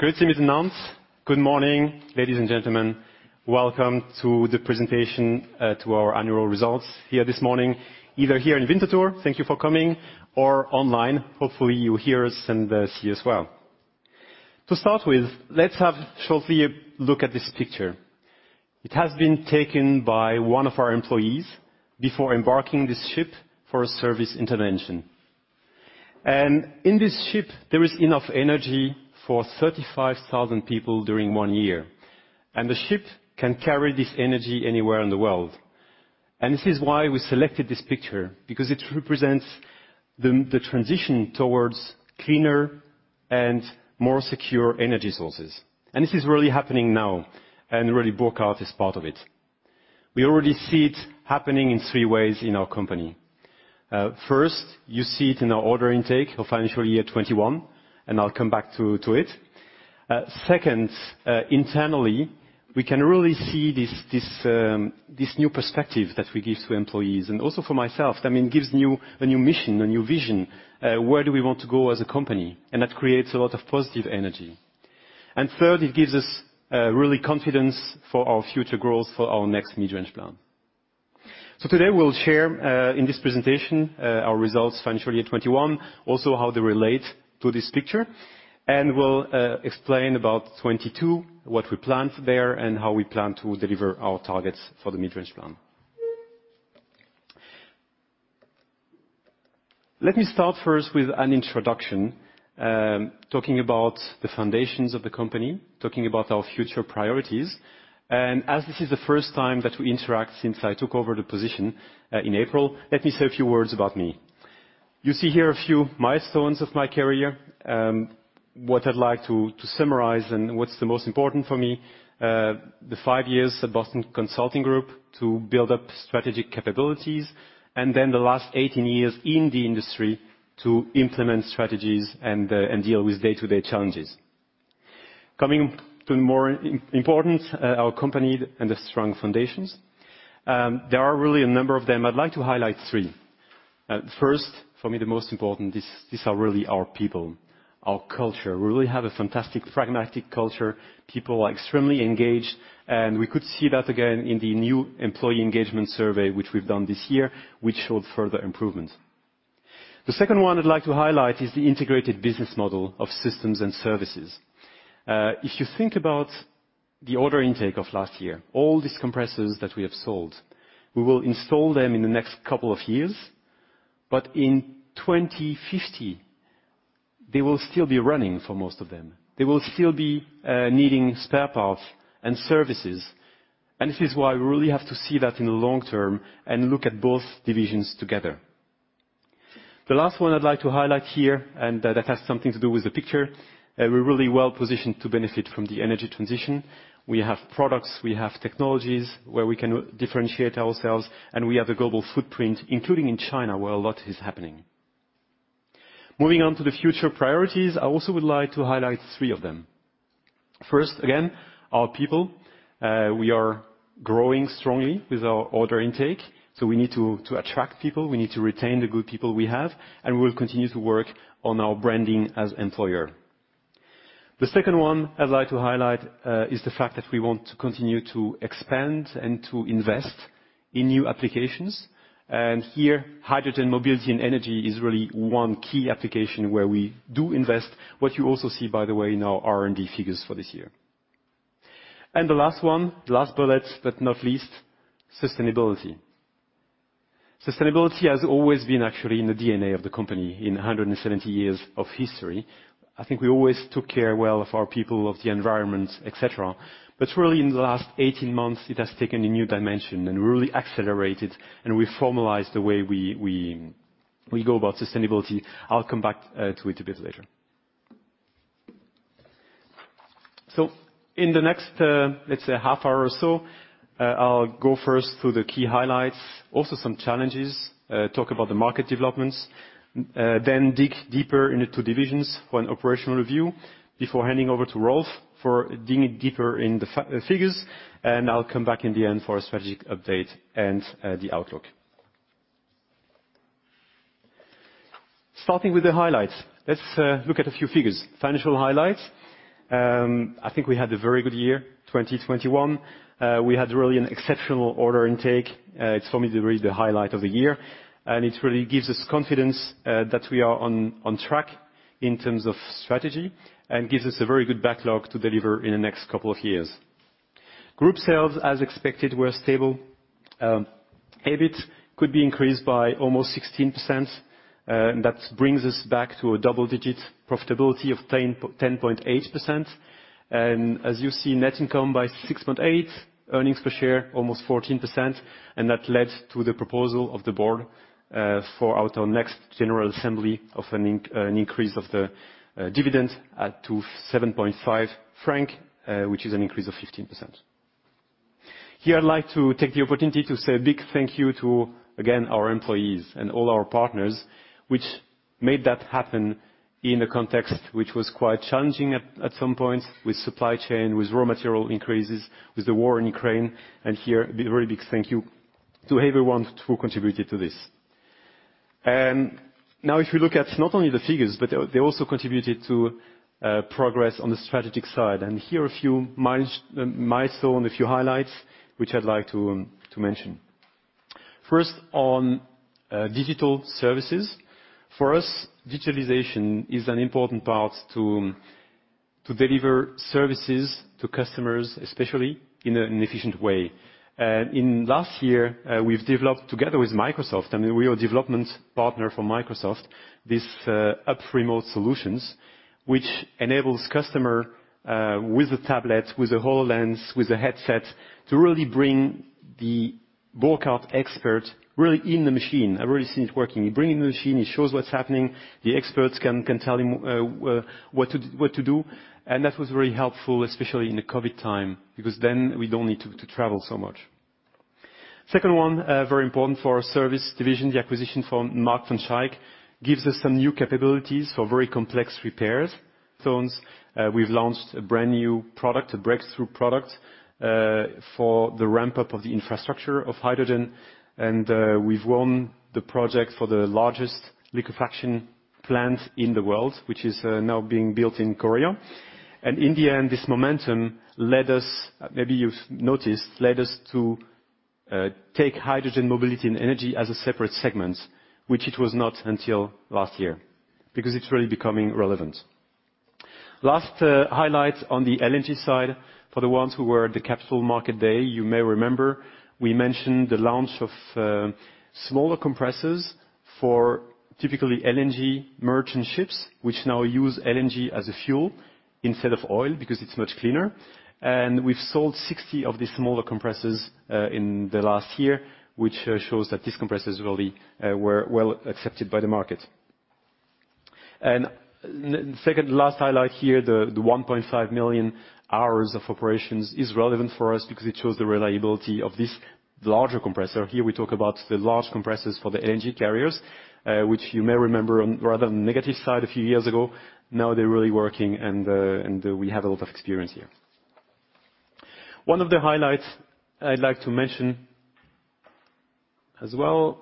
Good morning, ladies and gentlemen. Welcome to the presentation to our annual results here this morning, either here in Winterthur, thank you for coming, or online. Hopefully you hear us and see us well. To start with, let's have shortly a look at this picture. It has been taken by one of our employees before embarking this ship for a service intervention. In this ship, there is enough energy for 35,000 people during 1 year, and the ship can carry this energy anywhere in the world. This is why we selected this picture, because it represents the transition towards cleaner and more secure energy sources. This is really happening now, and really Burckhardt is part of it. We already see it happening in 3 ways in our company. First, you see it in our order intake for financial year 2021, and I'll come back to it. Second, internally, we can really see this new perspective that we give to employees and also for myself. I mean, gives a new mission, a new vision, where do we want to go as a company. That creates a lot of positive energy. Third, it gives us real confidence for our future growth for our next mid-range plan. Today we'll share in this presentation our results financial year 2021, also how they relate to this picture. We'll explain about 2022, what we plan for there, and how we plan to deliver our targets for the mid-range plan. Let me start first with an introduction, talking about the foundations of the company, talking about our future priorities. As this is the first time that we interact since I took over the position in April, let me say a few words about me. You see here a few milestones of my career. What I'd like to summarize and what's the most important for me, the 5 years at Boston Consulting Group to build up strategic capabilities and then the last 18 years in the industry to implement strategies and deal with day-to-day challenges. Coming to more important, our company and the strong foundations. There are really a number of them. I'd like to highlight 3. First, for me, the most important, these are really our people, our culture. We really have a fantastic pragmatic culture. People are extremely engaged, and we could see that again in the new employee engagement survey, which we've done this year, which showed further improvement. The second one I'd like to highlight is the integrated business model of systems and services. If you think about the order intake of last year, all these compressors that we have sold, we will install them in the next couple of years, but in 2050, they will still be running for most of them. They will still be needing spare parts and services. This is why we really have to see that in the long term and look at both divisions together. The last 1 I'd like to highlight here, and that has something to do with the picture, we're really well positioned to benefit from the energy transition. We have products, we have technologies where we can differentiate ourselves, and we have a global footprint, including in China, where a lot is happening. Moving on to the future priorities, I also would like to highlight 3 of them. First, again, our people. We are growing strongly with our order intake, so we need to attract people, we need to retain the good people we have, and we will continue to work on our branding as employer. The second one I'd like to highlight is the fact that we want to continue to expand and to invest in new applications. Here, hydrogen mobility and energy is really 1 key application where we do invest, what you also see, by the way, in our R&D figures for this year. The last one, the last bullet, but not least, sustainability. Sustainability has always been actually in the DNA of the company in 170 years of history. I think we always took care well of our people, of the environment, et cetera. Really in the last 18 months, it has taken a new dimension and really accelerated and we formalized the way we go about sustainability. I'll come back to it a bit later. In the next, let's say half hour or so, I'll go first through the key highlights, also some challenges, talk about the market developments, then dig deeper into divisions for an operational review before handing over to Rolf for digging deeper in the figures. I'll come back in the end for a strategic update and the outlook. Starting with the highlights. Let's look at a few figures. Financial highlights. I think we had a very good year, 2021. We had really an exceptional order intake. It's for me the highlight of the year, and it really gives us confidence that we are on track in terms of strategy and gives us a very good backlog to deliver in the next couple of years. Group sales, as expected, were stable. EBIT could be increased by almost 16%, and that brings us back to a double-digit profitability of 10.8%. As you see, net income by 6.8%, earnings per share almost 14%. That led to the proposal of the board for our next general assembly of an increase of the dividends to 7.5 franc, which is an increase of 15%. Here, I'd like to take the opportunity to say a big thank you to, again, our employees and all our partners which made that happen in a context which was quite challenging at some point with supply chain, with raw material increases, with the war in Ukraine. Here, a very big thank you to everyone who contributed to this. Now if you look at not only the figures, but they also contributed to progress on the strategic side. Here are a few milestones, a few highlights, which I'd like to mention. First, on digital services. For us, digitalization is an important part to deliver services to customers, especially in an efficient way. Last year, we've developed together with Microsoft, I mean, we are a development partner for Microsoft, these UP! Remote solutions, which enables customer with a tablet, with a HoloLens, with a headset, to really bring the Burckhardt expert really in the machine. I've already seen it working. You bring it in the machine, it shows what's happening, the experts can tell him what to do. That was very helpful, especially in the COVID time, because then we don't need to travel so much. Second one, very important for our service division, the acquisition from Mark van Schaick BV gives us some new capabilities for very complex repairs. Zones, we've launched a brand-new product, a breakthrough product, for the ramp-up of the infrastructure of hydrogen. We've won the project for the largest liquefaction plant in the world, which is now being built in Korea. In the end, this momentum led us, maybe you've noticed, to take hydrogen mobility and energy as a separate segment, which it was not until last year, because it's really becoming relevant. Last highlight on the LNG side. For the ones who were at the Capital Market Day, you may remember we mentioned the launch of smaller compressors for typically LNG merchant ships, which now use LNG as a fuel instead of oil because it's much cleaner. We've sold 60 of these smaller compressors in the last year, which shows that these compressors really were well accepted by the market. Second last highlight here, the 1.5 million hours of operations is relevant for us because it shows the reliability of this larger compressor. Here we talk about the large compressors for the LNG carriers, which you may remember on the rather negative side a few years ago. Now they're really working and we have a lot of experience here. One of the highlights I'd like to mention as well.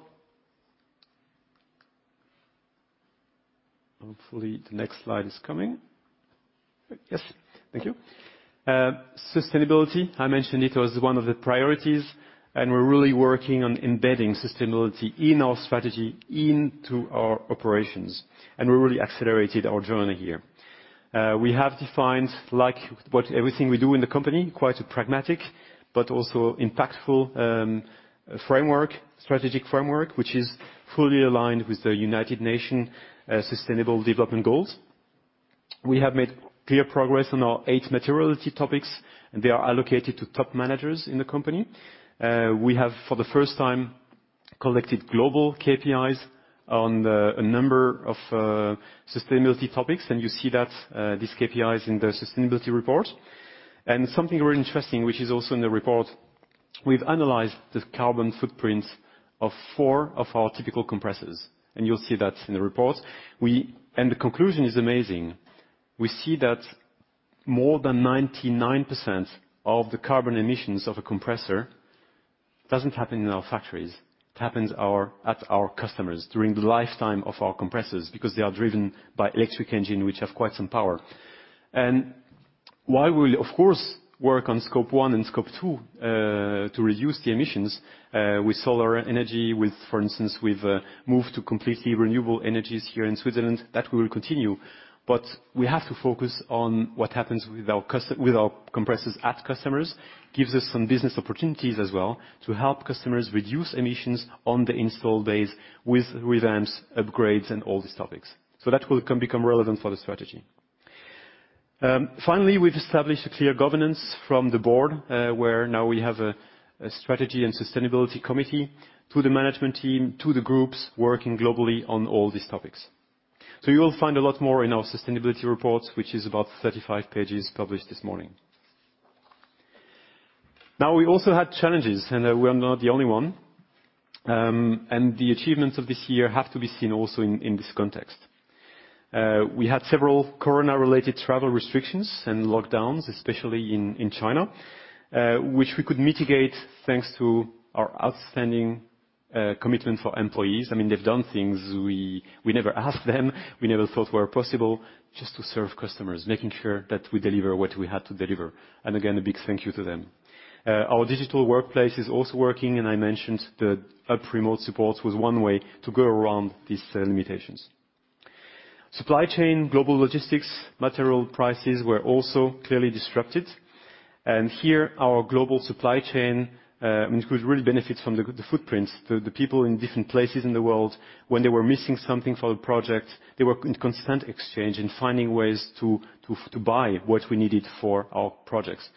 Hopefully, the next slide is coming. Yes. Thank you. Sustainability, I mentioned it was one of the priorities, and we're really working on embedding sustainability in our strategy into our operations, and we really accelerated our journey here. We have defined, like, what everything we do in the company, quite a pragmatic but also impactful framework, strategic framework, which is fully aligned with the United Nations Sustainable Development Goals. We have made clear progress on our 8 materiality topics, and they are allocated to top managers in the company. We have, for the first time, collected global KPIs on a number of sustainability topics, and you see that these KPIs in the sustainability report. Something really interesting, which is also in the report, we've analyzed the carbon footprint of 4 of our typical compressors, and you'll see that in the report. The conclusion is amazing. We see that more than 99% of the carbon emissions of a compressor doesn't happen in our factories. It happens at our customers during the lifetime of our compressors because they are driven by electric engine, which have quite some power. While we'll of course work on Scope 1 and Scope 2 to reduce the emissions with solar energy, for instance, we've moved to completely renewable energies here in Switzerland, that we will continue. We have to focus on what happens with our compressors at customers. Gives us some business opportunities as well to help customers reduce emissions on the install base with revamps, upgrades, and all these topics. That will become relevant for the strategy. Finally, we've established a clear governance from the board where now we have a strategy and sustainability committee to the management team to the groups working globally on all these topics. You'll find a lot more in our sustainability report, which is about 35 pages published this morning. Now, we also had challenges, and we are not the only 1. The achievements of this year have to be seen also in this context. We had several corona-related travel restrictions and lockdowns, especially in China, which we could mitigate thanks to our outstanding commitment for employees. I mean, they've done things we never asked them, we never thought were possible, just to serve customers, making sure that we deliver what we had to deliver. Again, a big thank you to them. Our digital workplace is also working, and I mentioned the UP! Remote was 1 way to go around these limitations. Supply chain, global logistics, material prices were also clearly disrupted. Here, our global supply chain, I mean, it could really benefit from the footprints. The people in different places in the world, when they were missing something for a project, they were in constant exchange in finding ways to buy what we needed for our projects.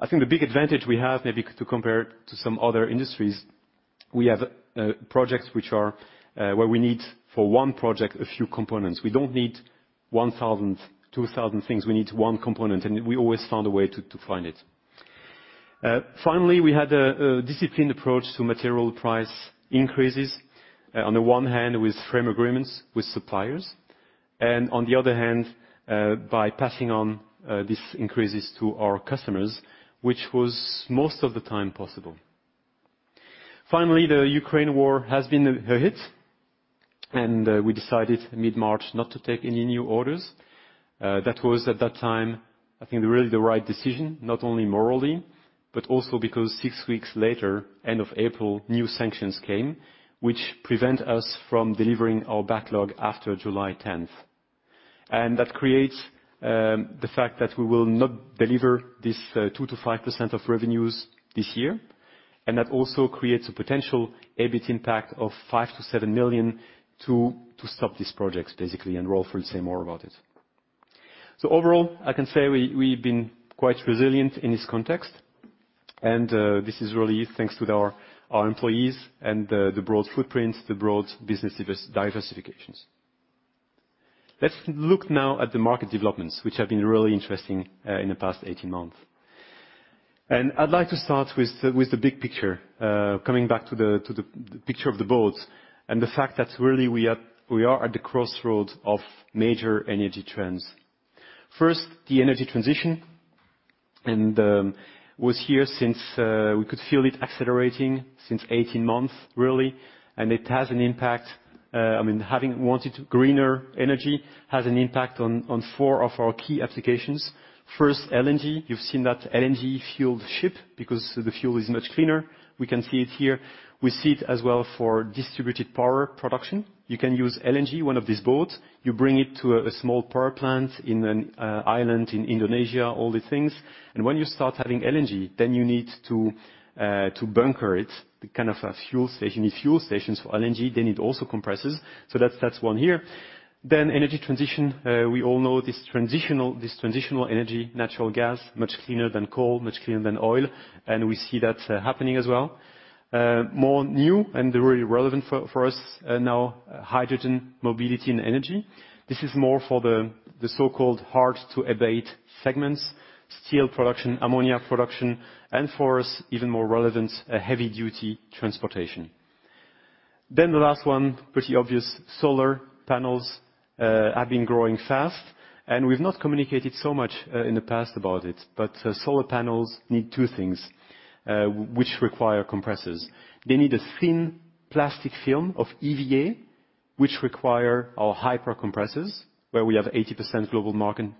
I think the big advantage we have, maybe to compare to some other industries, we have projects which are where we need for 1 project a few components. We don't need 1,000, 2,000 things. We need 1 component, and we always found a way to find it. Finally, we had a disciplined approach to material price increases on the one hand with frame agreements with suppliers. On the other hand by passing on these increases to our customers, which was most of the time possible. Finally, the Ukraine war has been a hit, and we decided mid-March not to take any new orders. That was at that time, I think the right decision, not only morally, but also because 6 weeks later, end of April, new sanctions came, which prevent us from delivering our backlog after July 10th. That creates the fact that we will not deliver this 2% to 5% of revenues this year. That also creates a potential EBIT impact of 5 million-7 million to stop these projects, basically, and Rolf will say more about it. Overall, I can say we've been quite resilient in this context. This is really thanks to our employees and the broad footprints, the broad business diversifications. Let's look now at the market developments, which have been really interesting in the past 18 months. I'd like to start with the big picture, coming back to the picture of the boats and the fact that really we are at the crossroads of major energy trends. First, the energy transition and it has been here since we could feel it accelerating since 18 months, really, and it has an impact. I mean, the want for greener energy has an impact on 4 of our key applications. First, LNG. You've seen that LNG-fueled ship because the fuel is much cleaner. We can see it here. We see it as well for distributed power production. You can use LNG, one of these boats. You bring it to a small power plant in an island in Indonesia, all these things. When you start having LNG, then you need to bunker it, kind of a fuel station. You need fuel stations for LNG, then it also compresses. That's 1 here. Energy transition, we all know this transitional energy, natural gas, much cleaner than coal, much cleaner than oil, and we see that happening as well. More new and really relevant for us are now hydrogen mobility and energy. This is more for the so-called hard to abate segments, steel production, ammonia production, and for us, even more relevant, heavy-duty transportation. The last one, pretty obvious, solar panels have been growing fast, and we've not communicated so much in the past about it. Solar panels need 2 things, which require compressors. They need a thin plastic film of EVA, which require our hyper compressors, where we have 80% global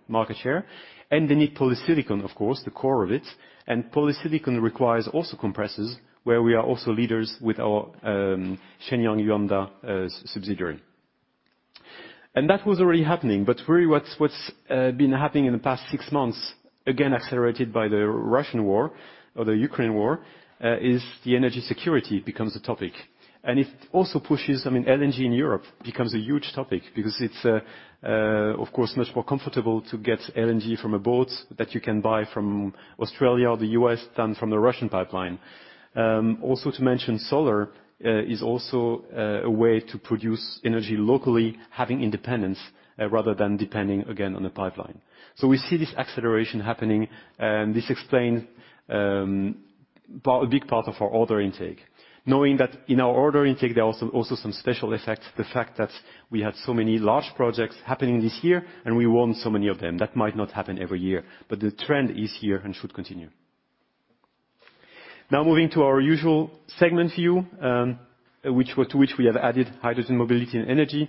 market share. They need polysilicon, of course, the core of it. Polysilicon requires also compressors, where we are also leaders with our Shenyang Yuanda subsidiary. That was already happening, but really what's been happening in the past 6 months, again accelerated by the Russian war or the Ukraine war, is the energy security becomes a topic. It also pushes, I mean, LNG in Europe becomes a huge topic because it's, of course, much more comfortable to get LNG from a boat that you can buy from Australia or the U.S. than from the Russian pipeline. Also, to mention solar is also a way to produce energy locally, having independence rather than depending again on the pipeline. We see this acceleration happening, and this explains a big part of our order intake. Knowing that in our order intake, there are also some special effects, the fact that we had so many large projects happening this year, and we won so many of them. That might not happen every year, but the trend is here and should continue. Now moving to our usual segment view to which we have added hydrogen mobility and energy.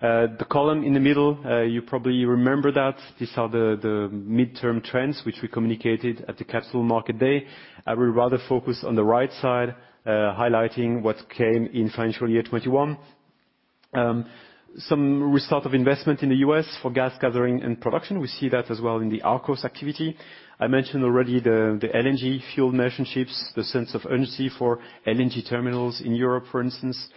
The column in the middle, you probably remember that. These are the midterm trends which we communicated at the Capital Market Day. I will rather focus on the right side, highlighting what came in financial year 2021. Some restart of investment in the US for gas gathering and production. We see that as well in the Arkos activity. I mentioned already the LNG fueled merchant ships, the sense of urgency for LNG terminals in Europe, for instance.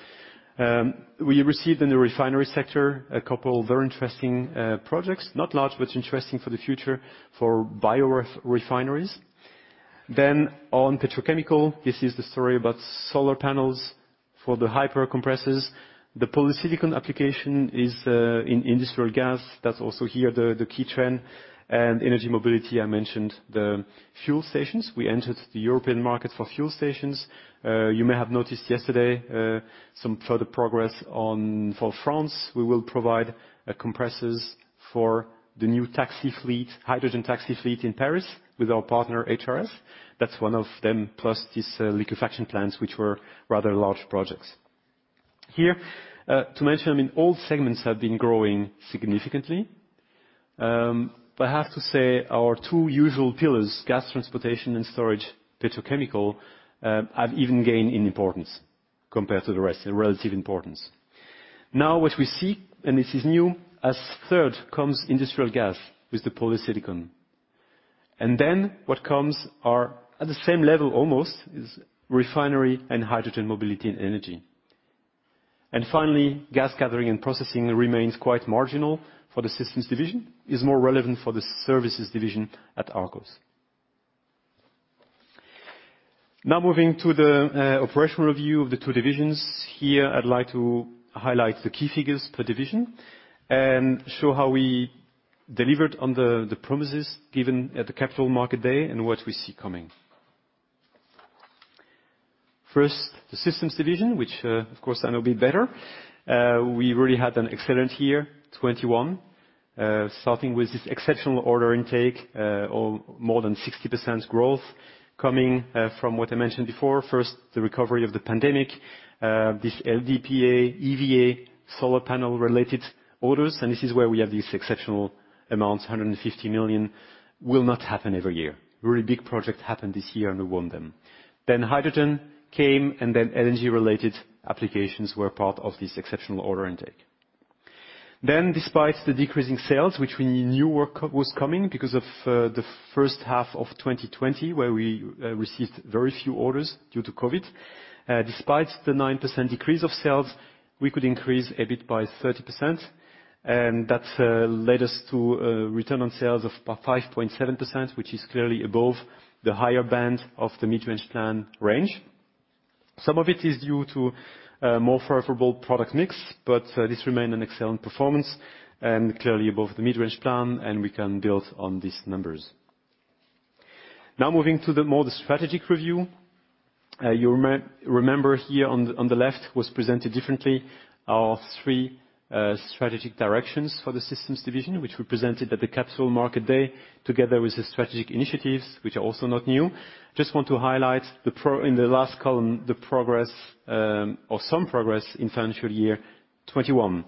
We received in the refinery sector a couple of very interesting projects, not large, but interesting for the future for bio-refineries. Then on petrochemical, this is the story about solar panels for the Hyper compressors. The polysilicon application is in industrial gas. That's also here the key trend. Energy mobility, I mentioned the fuel stations. We entered the European market for fuel stations. You may have noticed yesterday some further progress for France. We will provide compressors for the new taxi fleet, hydrogen taxi fleet in Paris with our partner, HRS. That's one of them, plus these liquefaction plants, which were rather large projects. Here to mention, I mean, all segments have been growing significantly. I have to say our 2 usual pillars, gas transportation and storage, petrochemical, have even gained in importance compared to the rest, relative importance. Now what we see, and this is new, as third comes industrial gas with the polysilicon. Then what comes, at the same level almost, is refinery and hydrogen mobility and energy. Finally, gas gathering and processing remains quite marginal for the systems division. It's more relevant for the services division at Arkos. Now moving to the operational review of the 2 divisions. Here, I'd like to highlight the key figures per division and show how we delivered on the promises given at the Capital Market Day and what we see coming. First, the systems division, which, of course I know a bit better. We really had an excellent year 2021, starting with this exceptional order intake of more than 60% growth coming from what I mentioned before. First, the recovery of the pandemic, this LDPE, EVA solar panel related orders, and this is where we have these exceptional amounts. 150 million will not happen every year. Really big project happened this year, and we won them. Hydrogen came, and then LNG related applications were part of this exceptional order intake. Despite the decreasing sales, which we knew was coming because of the H1 of 2020 where we received very few orders due to COVID. Despite the 9% decrease of sales, we could increase a bit by 30% and that led us to a return on sales of 5.7%, which is clearly above the higher band of the mid-range plan range. Some of it is due to more favorable product mix, but this remained an excellent performance and clearly above the mid-range plan, and we can build on these numbers. Now moving to the strategic review. You remember here on the left was presented differently, our 3 strategic directions for the systems division, which we presented at the Capital Market Day, together with the strategic initiatives, which are also not new. Just want to highlight the progress in the last column, or some progress in financial year 2021.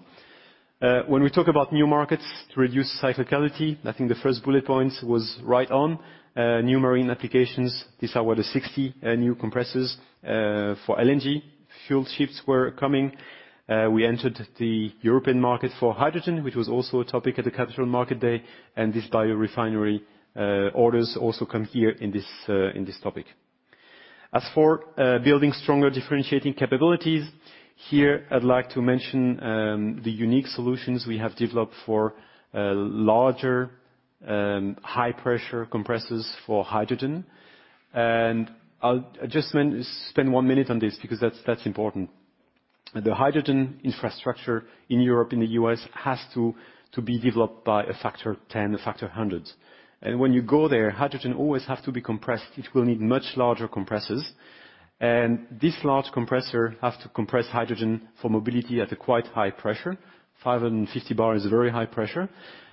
When we talk about new markets to reduce cyclicality, I think the first bullet point was right on, new marine applications. These are where the 60 new compressors for LNG fuel ships were coming. We entered the European market for hydrogen, which was also a topic at the Capital Market Day. This biorefinery orders also come here in this topic. As for building stronger differentiating capabilities, here, I'd like to mention the unique solutions we have developed for larger high pressure compressors for hydrogen. I just want to spend 1 minute on this because that's important. The hydrogen infrastructure in Europe and the U.S. has to be developed by a factor 10, a factor hundred. When you go there, hydrogen always have to be compressed. It will need much larger compressors. This large compressor has to compress hydrogen for mobility at a quite high pressure. 550 bar is a very high pressure.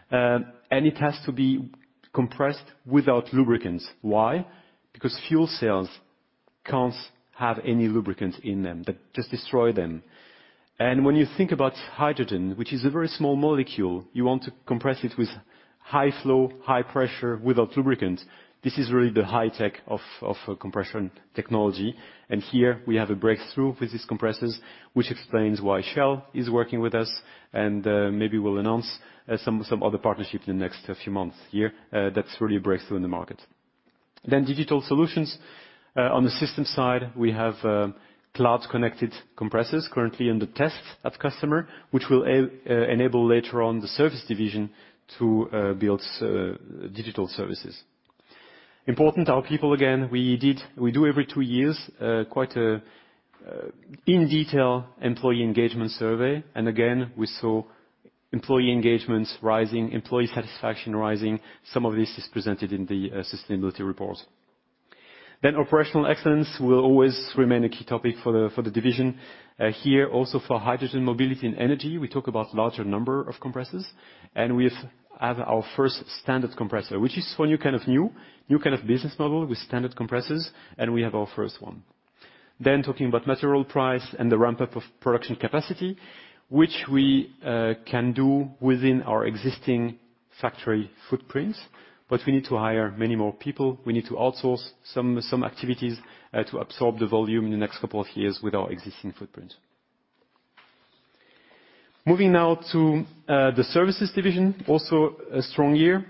It has to be compressed without lubricants. Why? Because fuel cells can't have any lubricants in them. That just destroy them. When you think about hydrogen, which is a very small molecule, you want to compress it with high flow, high pressure without lubricant. This is really the high tech of compression technology. Here we have a breakthrough with these compressors, which explains why Shell is working with us. Maybe we'll announce some other partnership in the next few months here. That's really a breakthrough in the market. Then digital solutions. On the system side, we have cloud connected compressors currently under test at customer, which will enable later on the service division to build digital services. Important, our people, again, we do every 2 years quite an in-depth employee engagement survey. Again, we saw employee engagements rising, employee satisfaction rising. Some of this is presented in the sustainability report. Operational excellence will always remain a key topic for the division. Here also for hydrogen mobility and energy. We talk about larger number of compressors, and we have our first standard compressor, which is for new kind of business model with standard compressors, and we have our first one. Talking about material price and the ramp-up of production capacity, which we can do within our existing factory footprints, but we need to hire many more people. We need to outsource some activities to absorb the volume in the next couple of years with our existing footprint. Moving now to the services division. Also a strong year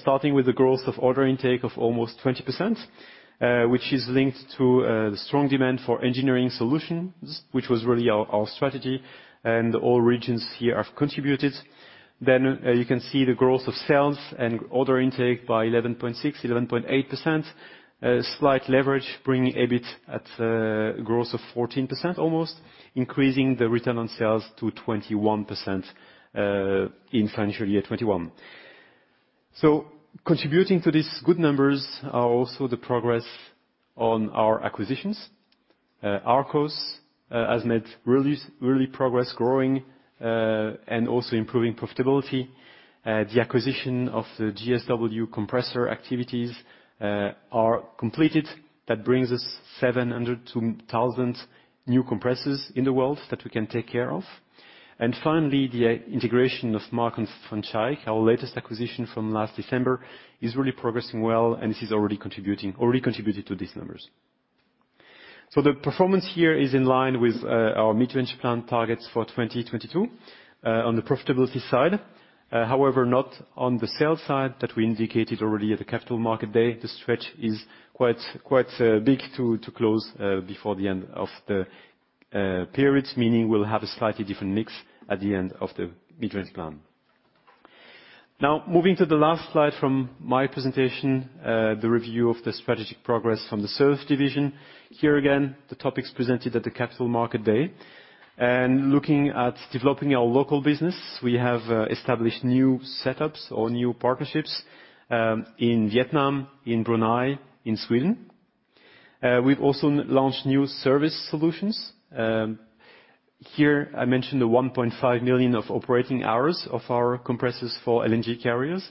starting with the growth of order intake of almost 20%, which is linked to the strong demand for engineering solutions, which was really our strategy. All regions here have contributed. You can see the growth of sales and order intake by 11.6, 11.8%. Slight leverage, bringing EBIT growth of almost 14%, increasing the return on sales to 21% in financial year 2021. Contributing to these good numbers are also the progress on our acquisitions. Arkos Field Services has made really progress growing and also improving profitability. The acquisition of the JSW compressor activities are completed. That brings us 700 to 1,000 new compressors in the world that we can take care of. Finally, the integration of Mark van Schaick BV, our latest acquisition from last December, is really progressing well, and this is already contributed to these numbers. The performance here is in line with our mid-range plan targets for 2022 on the profitability side. However, not on the sales side that we indicated already at the Capital Market Day. The stretch is quite big to close before the end of the period. Meaning we'll have a slightly different mix at the end of the mid-range plan. Now moving to the last slide from my presentation, the review of the strategic progress from the service division. Here again, the topics presented at the Capital Market Day. Looking at developing our local business, we have established new setups or new partnerships in Vietnam, in Brunei, in Sweden. We've also launched new service solutions. Here I mentioned the 1.5 million operating hours of our compressors for LNG carriers.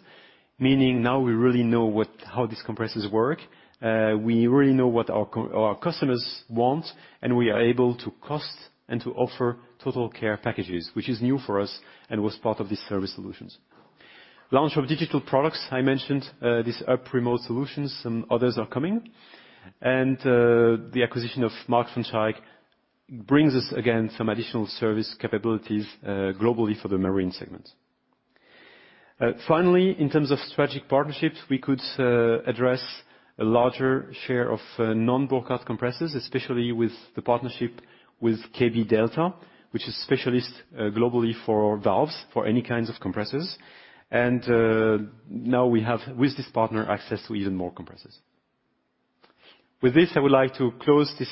Meaning now we really know how these compressors work. We really know what our customers want, and we are able to cost and to offer total care packages, which is new for us and was part of this service solutions. Launch of digital products. I mentioned these UP remote solutions and others are coming. The acquisition of Mark van Schaick brings us again some additional service capabilities, globally for the marine segment. Finally, in terms of strategic partnerships, we could address a larger share of non-Burckhardt compressors, especially with the partnership with KB Delta, which is specialist globally for valves, for any kinds of compressors. Now we have, with this partner, access to even more compressors. With this, I would like to close this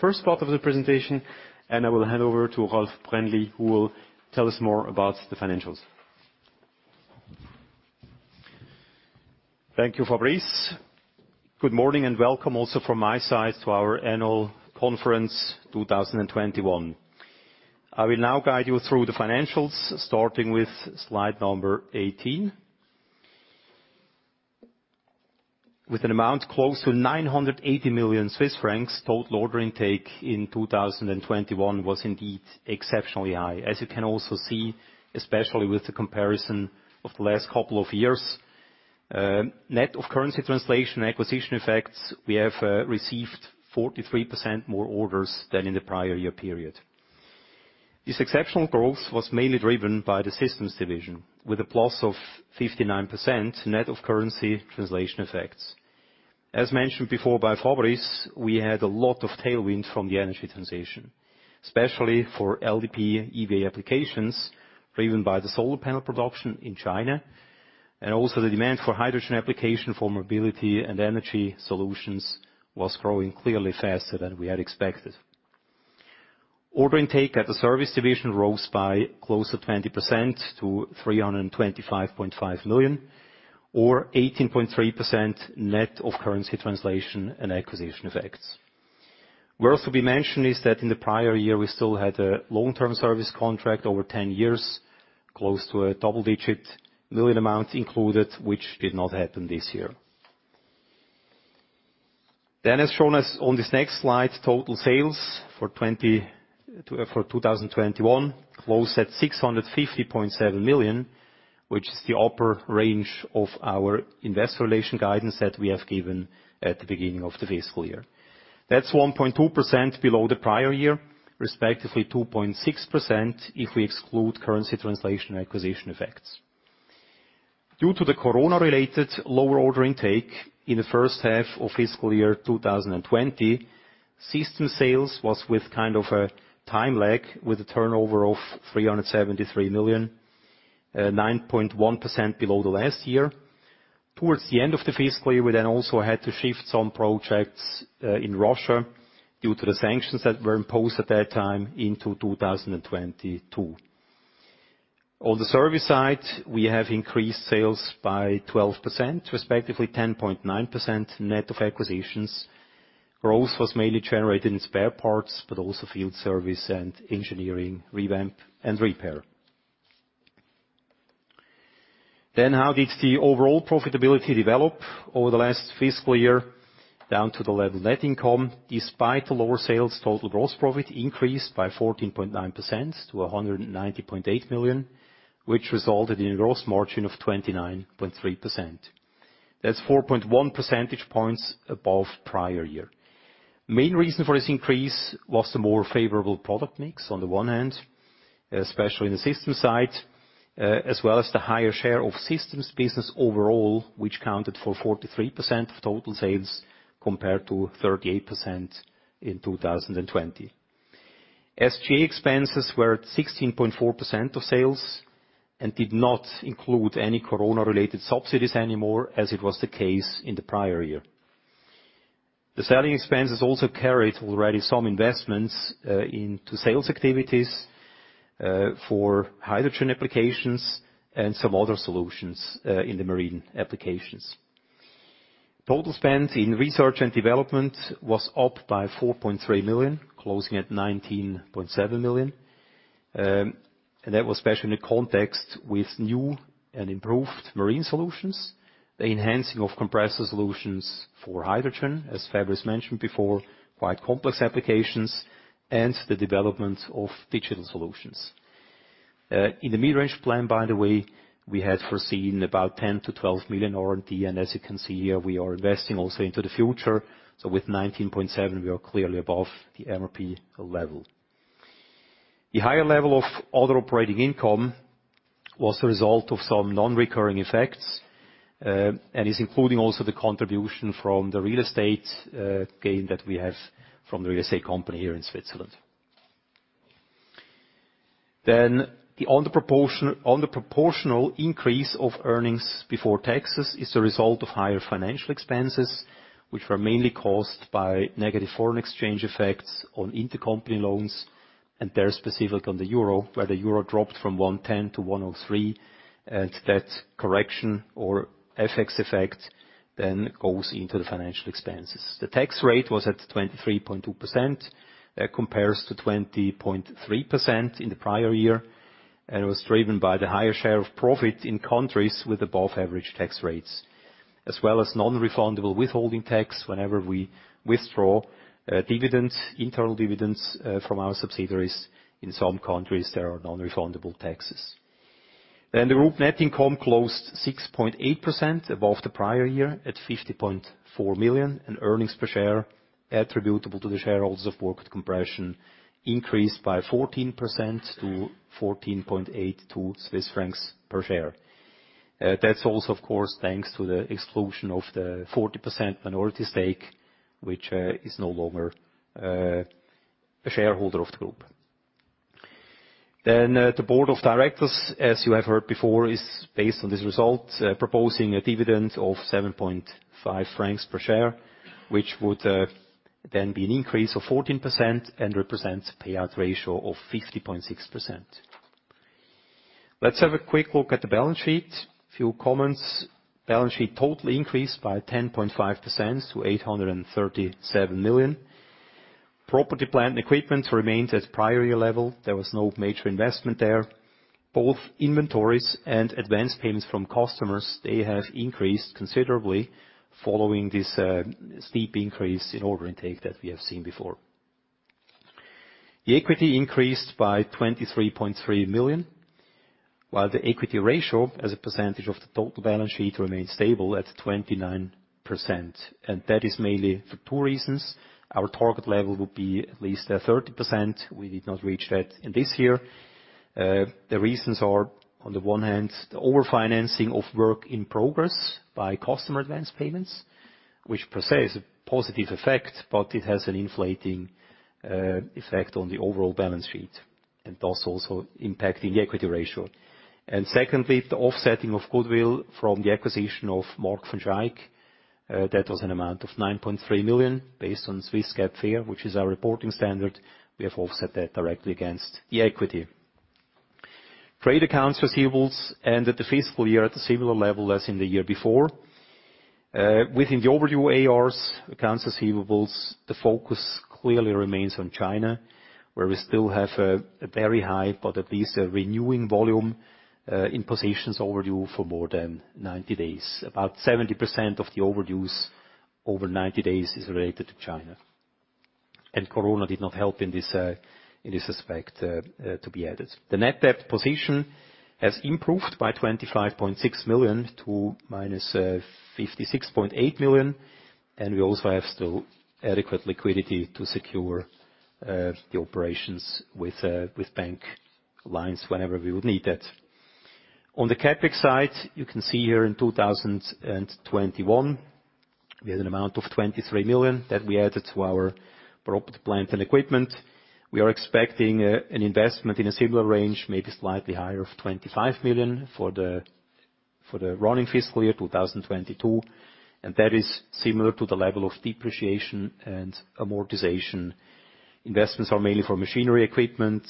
first part of the presentation, and I will hand over to Rolf Brändli, who will tell us more about the financials. Thank you, Fabrice. Good morning and welcome also from my side to our annual conference 2021. I will now guide you through the financials, starting with slide 18. With an amount close to 980 million Swiss francs, total order intake in 2021 was indeed exceptionally high. As you can also see, especially with the comparison of the last couple of years, net of currency translation acquisition effects, we have received 43% more orders than in the prior year period. This exceptional growth was mainly driven by the systems division, with a + of 59% net of currency translation effects. As mentioned before by Fabrice, we had a lot of tailwind from the energy transition, especially for LDPE EVA applications, driven by the solar panel production in China, and also the demand for hydrogen application for mobility and energy solutions was growing clearly faster than we had expected. Order intake at the service division rose by close to 20% to 325.5 million, or 18.3% net of currency translation and acquisition effects. Worth to be mentioned is that in the prior year, we still had a long-term service contract over 10 years, close to a double-digit million amount included, which did not happen this year. As shown on this next slide, total sales for 2021 closed at 650.7 million, which is the upper range of our investor relation guidance that we have given at the beginning of the fiscal year. That's 1.2% below the prior year, respectively 2.6% if we exclude currency translation acquisition effects. Due to the Corona-related lower order intake in the H1 of fiscal year 2020, system sales was with kind of a time lag with a turnover of 373 million, 9.1% below the last year. Towards the end of the fiscal year, we then also had to shift some projects in Russia due to the sanctions that were imposed at that time into 2022. On the service side, we have increased sales by 12%, respectively 10.9 net of acquisitions. Growth was mainly generated in spare parts, but also field service and engineering revamp and repair. How did the overall profitability develop over the last fiscal year down to the level net income? Despite the lower sales, total gross profit increased by 14.9% to 190.8 million, which resulted in a gross margin of 29.3%. That's 4.1% points above prior year. Main reason for this increase was the more favorable product mix on the one hand, especially in the system side, as well as the higher share of systems business overall, which accounted for 43% of total sales compared to 38% in 2020. SG&A expenses were at 16.4% of sales and did not include any Corona-related subsidies anymore, as it was the case in the prior year. The selling expenses also carried already some investments into sales activities for hydrogen applications and some other solutions in the marine applications. Total spend in research and development was up by 4.3 million, closing at 19.7 million. That was especially in the context with new and improved marine solutions, the enhancing of compressor solutions for hydrogen, as Fabrice mentioned before, quite complex applications, and the development of digital solutions. In the mid-range plan, by the way, we had foreseen about 10 million-12 million R&D, and as you can see here, we are investing also into the future. With 19.7, we are clearly above the MRP level. The higher level of other operating income was the result of some non-recurring effects, and is including also the contribution from the real estate gain that we have from the US company here in Switzerland. The underproportional increase of earnings before taxes is the result of higher financial expenses, which were mainly caused by negative foreign exchange effects on intercompany loans, and they're specific on the euro, where the euro dropped from 1.10 to 1.03. That correction or FX effect then goes into the financial expenses. The tax rate was at 23.2%. That compares to 20.3% in the prior year, and it was driven by the higher share of profit in countries with above average tax rates as well as non-refundable withholding tax. Whenever we withdraw dividends, internal dividends, from our subsidiaries in some countries, there are non-refundable taxes. The group net income closed 6.8% above the prior year at 50.4 million, and earnings per share attributable to the shareholders of Burckhardt Compression increased by 14% to 14.82 Swiss francs per share. That's also, of course, thanks to the exclusion of the 40% minority stake, which is no longer a shareholder of the group. The board of directors, as you have heard before, is based on these results proposing a dividend of 7.5 francs per share, which would then be an increase of 14% and represents payout ratio of 50.6%. Let's have a quick look at the balance sheet. Few comments. Balance sheet total increased by 10.5% to 837 million. Property, plant, and equipment remained at prior year level. There was no major investment there. Both inventories and advance payments from customers, they have increased considerably following this steep increase in order intake that we have seen before. The equity increased by 23.3 million, while the equity ratio as a percentage of the total balance sheet remained stable at 29%, and that is mainly for 2 reasons. Our target level would be at least 30%. We did not reach that in this year. The reasons are, on the one hand, the over-financing of work in progress by customer advance payments, which per se is a positive effect, but it has an inflating effect on the overall balance sheet and thus also impacting the equity ratio. Secondly, the offsetting of goodwill from the acquisition of Mark van Schaick BV. That was an amount of 9.3 million. Based on Swiss GAAP FER, which is our reporting standard, we have offset that directly against the equity. Trade accounts receivables ended the fiscal year at a similar level as in the year before. Within the overdue ARs, accounts receivables, the focus clearly remains on China, where we still have a very high, but at least a renewing volume, in positions overdue for more than 90 days. About 70% of the overdues over 90 days is related to China. Corona did not help in this respect to be added. The net debt position has improved by 25.6 million to -56.8 million, and we also have still adequate liquidity to secure the operations with bank lines whenever we would need that. On the CapEx side, you can see here in 2021, we had an amount of 23 million that we added to our property, plant, and equipment. We are expecting an investment in a similar range, maybe slightly higher of 25 million for the running fiscal year, 2022, and that is similar to the level of depreciation and amortization. Investments are mainly for machinery, equipment,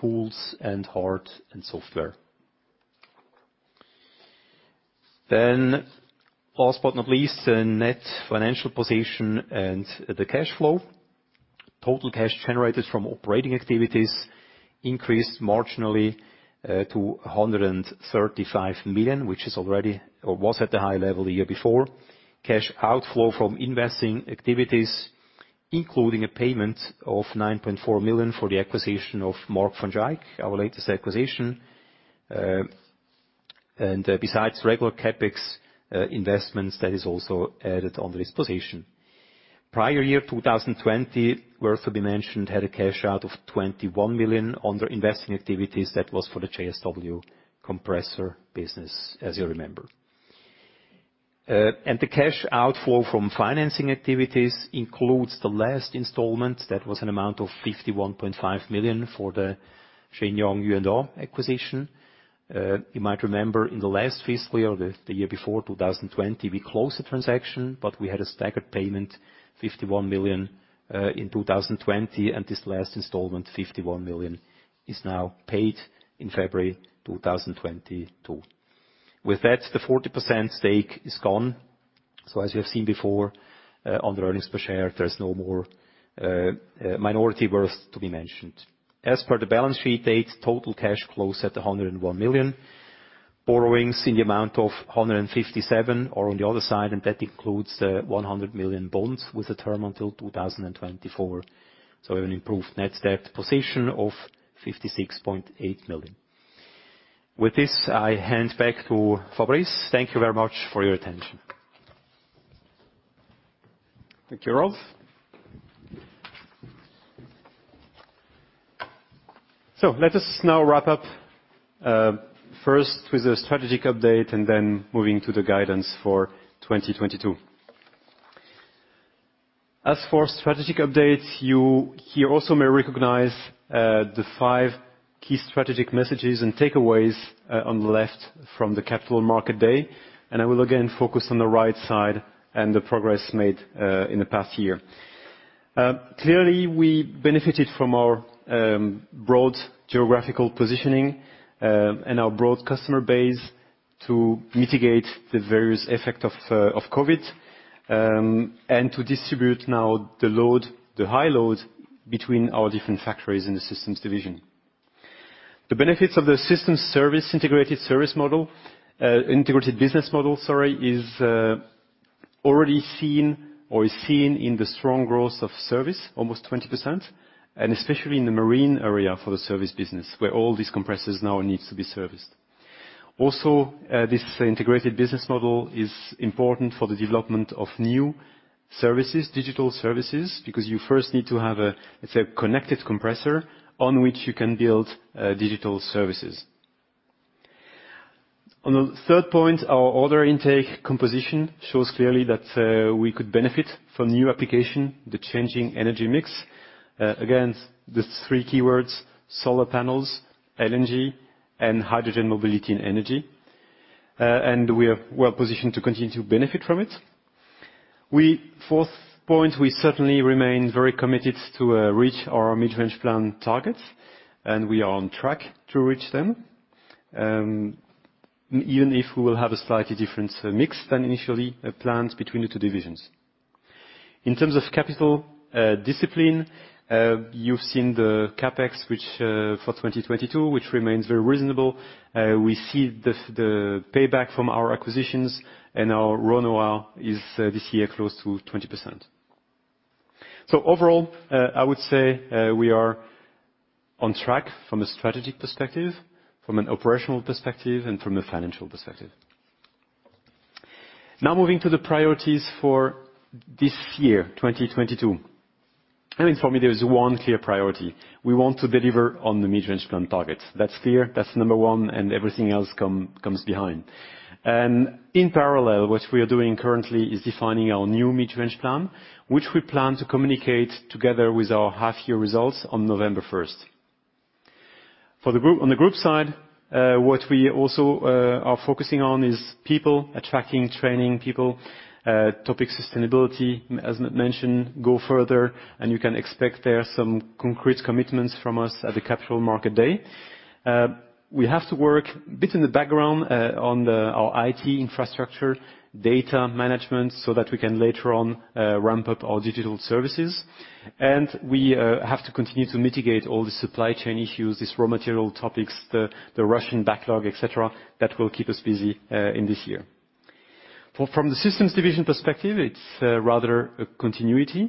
tools, and hardware and software. Last but not least, the net financial position and the cash flow. Total cash generated from operating activities increased marginally to 135 million, which is already or was at a high level the year before. Cash outflow from investing activities, including a payment of 9.4 million for the acquisition of Mark van Schaick BV, our latest acquisition. Besides regular CapEx investments, that is also added on this position. Prior year, 2020, worth to be mentioned, had a cash out of 21 million under investing activities. That was for the JSW Compressor business, as you remember. The cash outflow from financing activities includes the last installment. That was an amount of 51.5 million for the Shenyang Yuanda acquisition. You might remember in the last fiscal year or the year before, 2020, we closed the transaction, but we had a staggered payment, 51 million, in 2020, and this last installment, 51 million, is now paid in February 2022. With that, the 40% stake is gone. As you have seen before, on the earnings per share, there's no more minority interest to be mentioned. As per the balance sheet date, total cash closed at 101 million. Borrowings in the amount of 157 million are on the other side, and that includes the 100 million bonds with a term until 2024. An improved net debt position of 56.8 million. With this, I hand back to Fabrice. Thank you very much for your attention. Thank you, Rolf. Let us now wrap up first with a strategic update and then moving to the guidance for 2022. As for strategic updates, you here also may recognize the 5 key strategic messages and takeaways on the left from the capital market day. I will again focus on the right side and the progress made in the past year. Clearly, we benefited from our broad geographical positioning and our broad customer base to mitigate the various effect of COVID and to distribute now the load, the high load between our different factories in the systems division. The benefits of the systems service integrated business model is already seen or is seen in the strong growth of service, almost 20%, and especially in the marine area for the service business, where all these compressors now needs to be serviced. Also, this integrated business model is important for the development of new services, digital services, because you first need to have a, let's say, a connected compressor on which you can build, digital services. Third point, our order intake composition shows clearly that, we could benefit from new application, the changing energy mix. Again, the 3 keywords, solar panels, LNG, and hydrogen mobility and energy. We are well-positioned to continue to benefit from it. Fourth point, we certainly remain very committed to, reach our mid-range plan targets, and we are on track to reach them. Even if we will have a slightly different, mix than initially, planned between the 2 divisions. In terms of capital, discipline, you've seen the CapEx, which, for 2022, which remains very reasonable. We see the payback from our acquisitions and our ROA is this year close to 20%. Overall, I would say, we are on track from a strategic perspective, from an operational perspective, and from a financial perspective. Now moving to the priorities for this year, 2022. I mean, for me, there is 1 clear priority. We want to deliver on the mid-range plan targets. That's clear, that's number 1, and everything else comes behind. In parallel, what we are doing currently is defining our new mid-range plan, which we plan to communicate together with our half year results on November 1st. On the group side, what we also are focusing on is people, attracting, training people, topic sustainability, as mentioned, go further, and you can expect there some concrete commitments from us at the Capital Market Day. We have to work a bit in the background on our IT infrastructure, data management, so that we can later on ramp up our digital services. We have to continue to mitigate all the supply chain issues, these raw material topics, the Russian backlog, et cetera, that will keep us busy in this year. From the systems division perspective, it's rather a continuity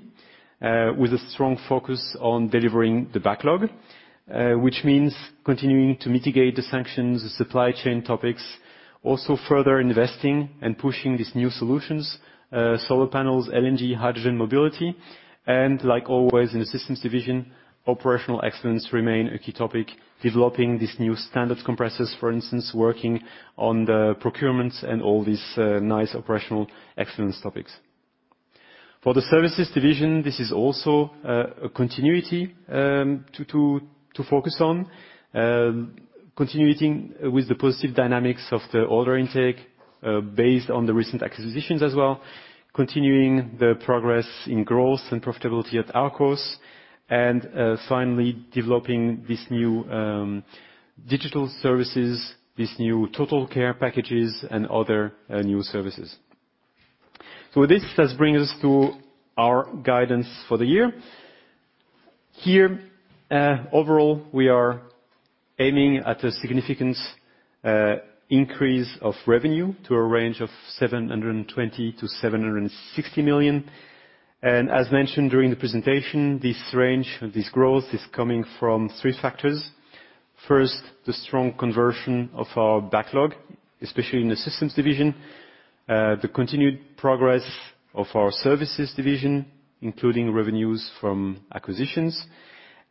with a strong focus on delivering the backlog, which means continuing to mitigate the sanctions, supply chain topics, also further investing and pushing these new solutions, solar panels, LNG, hydrogen mobility. Like always in the systems division, operational excellence remains a key topic, developing these new standard compressors, for instance, working on the procurements and all these nice operational excellence topics. For the services division, this is also a continuity to focus on continuing with the positive dynamics of the order intake based on the recent acquisitions as well, continuing the progress in growth and profitability at Arkos, and finally, developing this new digital services, this new total care packages and other new services. This just brings us to our guidance for the year. Here, overall, we are aiming at a significant increase of revenue to a range of 720 million-760 million. As mentioned during the presentation, this range of this growth is coming from 3 factors. First, the strong conversion of our backlog, especially in the systems division, the continued progress of our services division, including revenues from acquisitions.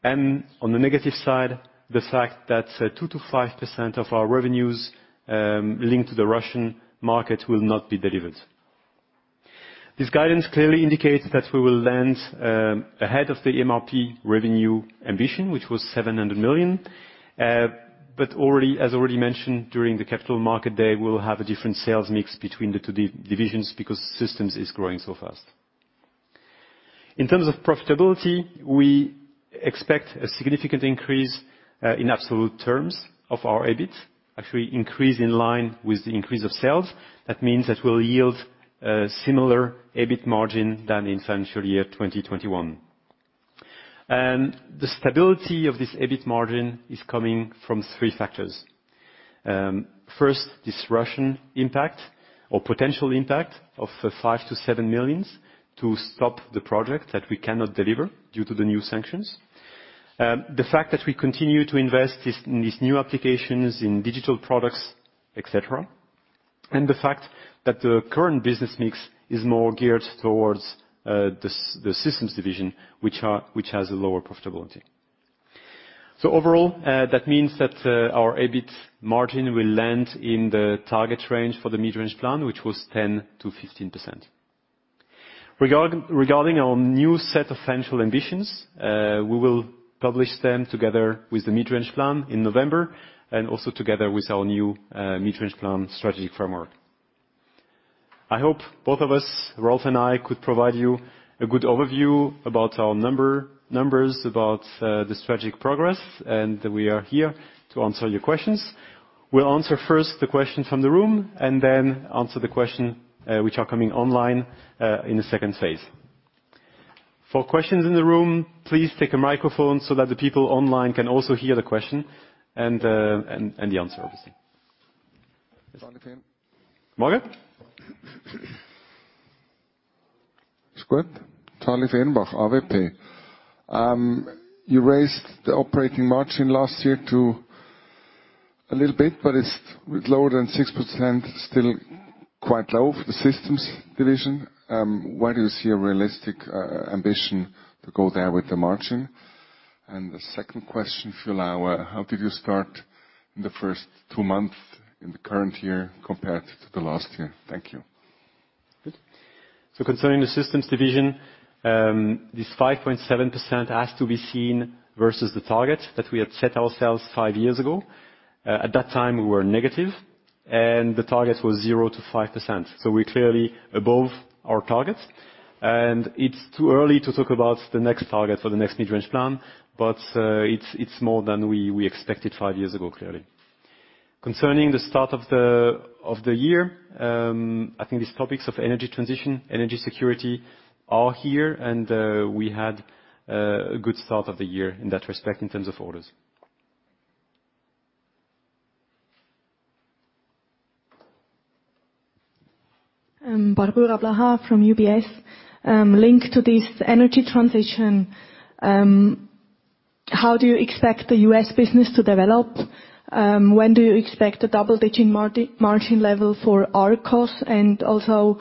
On the negative side, the fact that 2% to 5% of our revenues, linked to the Russian market will not be delivered. This guidance clearly indicates that we will land ahead of the MRP revenue ambition, which was 700 million. Already, as already mentioned during the Capital Market Day, we'll have a different sales mix between the 2 divisions because systems is growing so fast. In terms of profitability, we expect a significant increase in absolute terms of our EBIT. Actually increase in line with the increase of sales. That means that will yield a similar EBIT margin than in financial year 2021. The stability of this EBIT margin is coming from 3 factors. First, this Russian impact or potential impact of 5 to 7 million to stop the project that we cannot deliver due to the new sanctions. The fact that we continue to invest in these new applications, in digital products, et cetera. The fact that the current business mix is more geared towards the systems division which has a lower profitability. Overall, that means that our EBIT margin will land in the target range for the mid-range plan, which was 10% to 15%. Regarding our new set of financial ambitions, we will publish them together with the mid-range plan in November, and also together with our new mid-range plan strategic framework. I hope both of us, Rolf and I, could provide you a good overview about our numbers about the strategic progress, and we are here to answer your questions. We'll answer first the questions from the room and then answer the question which are coming online in the phase II. For questions in the room, please take a microphone so that the people online can also hear the question and the answer, obviously. Charlie Fehrenbach. Morning. It's good. Charlie Fehrenbach, AWP. You raised the operating margin last year to a little bit, but it's lower than 6%, still quite low for the systems division. Where do you see a realistic ambition to go there with the margin? The second question, if you allow, how did you start in the first 2 months in the current year compared to the last year? Thank you. Good. Concerning the systems division, this 5.7% has to be seen versus the target that we had set ourselves 5 years ago. At that time, we were negative, and the target was 0% to 5%. We're clearly above our targets. It's too early to talk about the next target for the next mid-range plan, but it's more than we expected 5 years ago, clearly. Concerning the start of the year, I think these topics of energy transition, energy security are here, and we had a good start of the year in that respect in terms of orders. Barbara [inaudible] from UBS. Linked to this energy transition, how do you expect the US business to develop? When do you expect a double-digit margin level for Arkos? And also,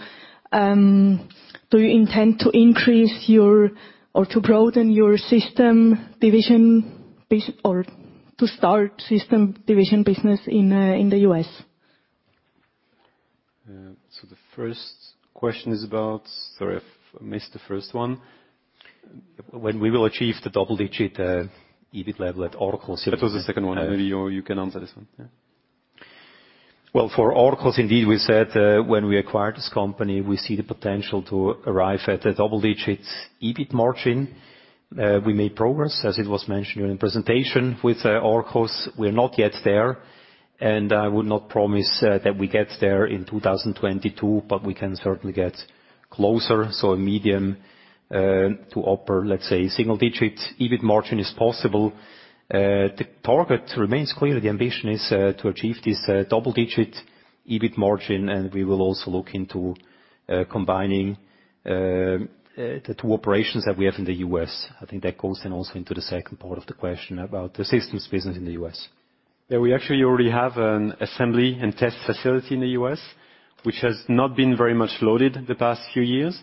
do you intend to increase, or to broaden your system division business, or to start system division business in the US? The first question is about? Sorry if I missed the first one. When we will achieve the double-digit EBIT level at Arkos. That was the second one. Maybe you can answer this one. Yeah. Well, for Arkos, indeed, we said, when we acquired this company, we see the potential to arrive at a double-digit EBIT margin. We made progress, as it was mentioned during the presentation with Arkos. We're not yet there, and I would not promise that we get there in 2022, but we can certainly get closer. A medium to upper, let's say, single-digit EBIT margin is possible. The target remains clear. The ambition is to achieve this double-digit EBIT margin, and we will also look into combining the 2 operations that we have in the U.S. I think that goes then also into the second part of the question about the systems business in the U.S. Yeah, we actually already have an assembly and test facility in the U.S., which has not been very much loaded the past few years.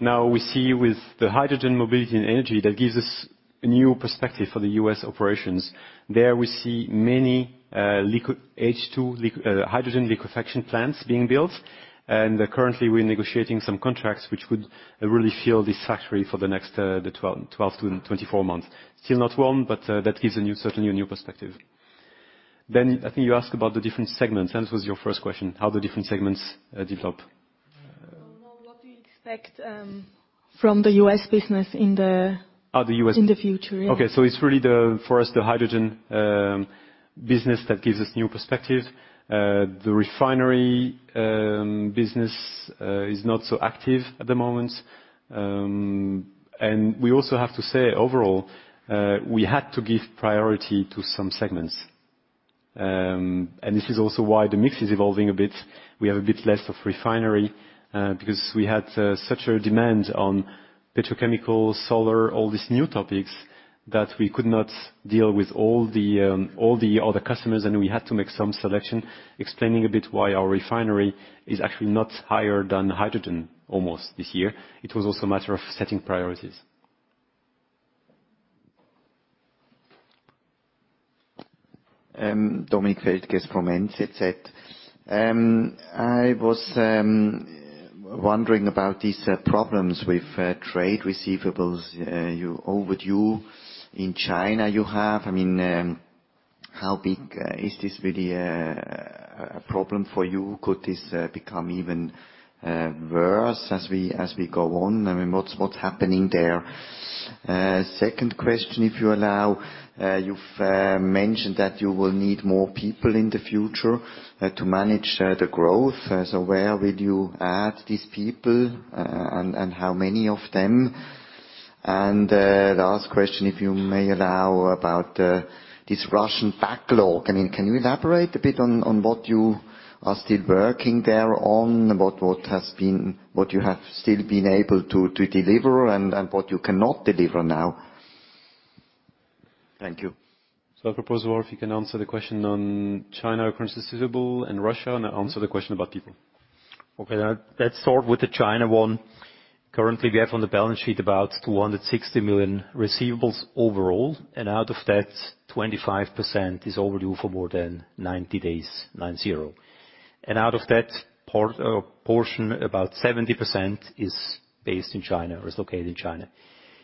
Now we see with the hydrogen mobility and energy, that gives us a new perspective for the U.S. operations. There we see many liquid hydrogen liquefaction plants being built. Currently, we're negotiating some contracts which would really fill this factory for the next 12 to 24 months. Still not warm, but that gives a new, certainly a new perspective. I think you asked about the different segments. That was your first question, how the different segments develop. No. What do you expect from the US business in the- The U.S. In the future. Yeah. Okay. It's really the, for us, the hydrogen business that gives us new perspective. The refinery business is not so active at the moment. We also have to say overall, we had to give priority to some segments. This is also why the mix is evolving a bit. We have a bit less of refinery, because we had such a demand on petrochemical, solar, all these new topics, that we could not deal with all the other customers, and we had to make some selection, explaining a bit why our refinery is actually not higher than hydrogen almost this year. It was also a matter of setting priorities. Dominik Feldges from NZZ. I was wondering about these problems with trade receivables you overdue in China you have. I mean, how big is this really a problem for you? Could this become even worse as we go on? I mean, what's happening there? Second question, if you allow. You've mentioned that you will need more people in the future to manage the growth. Where will you add these people, and how many of them? Last question, if you may allow, about this Russian backlog. I mean, can you elaborate a bit on what you are still working there on, about what you have still been able to deliver and what you cannot deliver now? Thank you. I propose, Rolf, you can answer the question on China credit receivable and Russia, and I answer the question about people. Okay, let's start with the China one. Currently, we have on the balance sheet about 260 million receivables overall, and out of that 25% is overdue for more than 90 days. Out of that portion, about 70% is based in China or is located in China.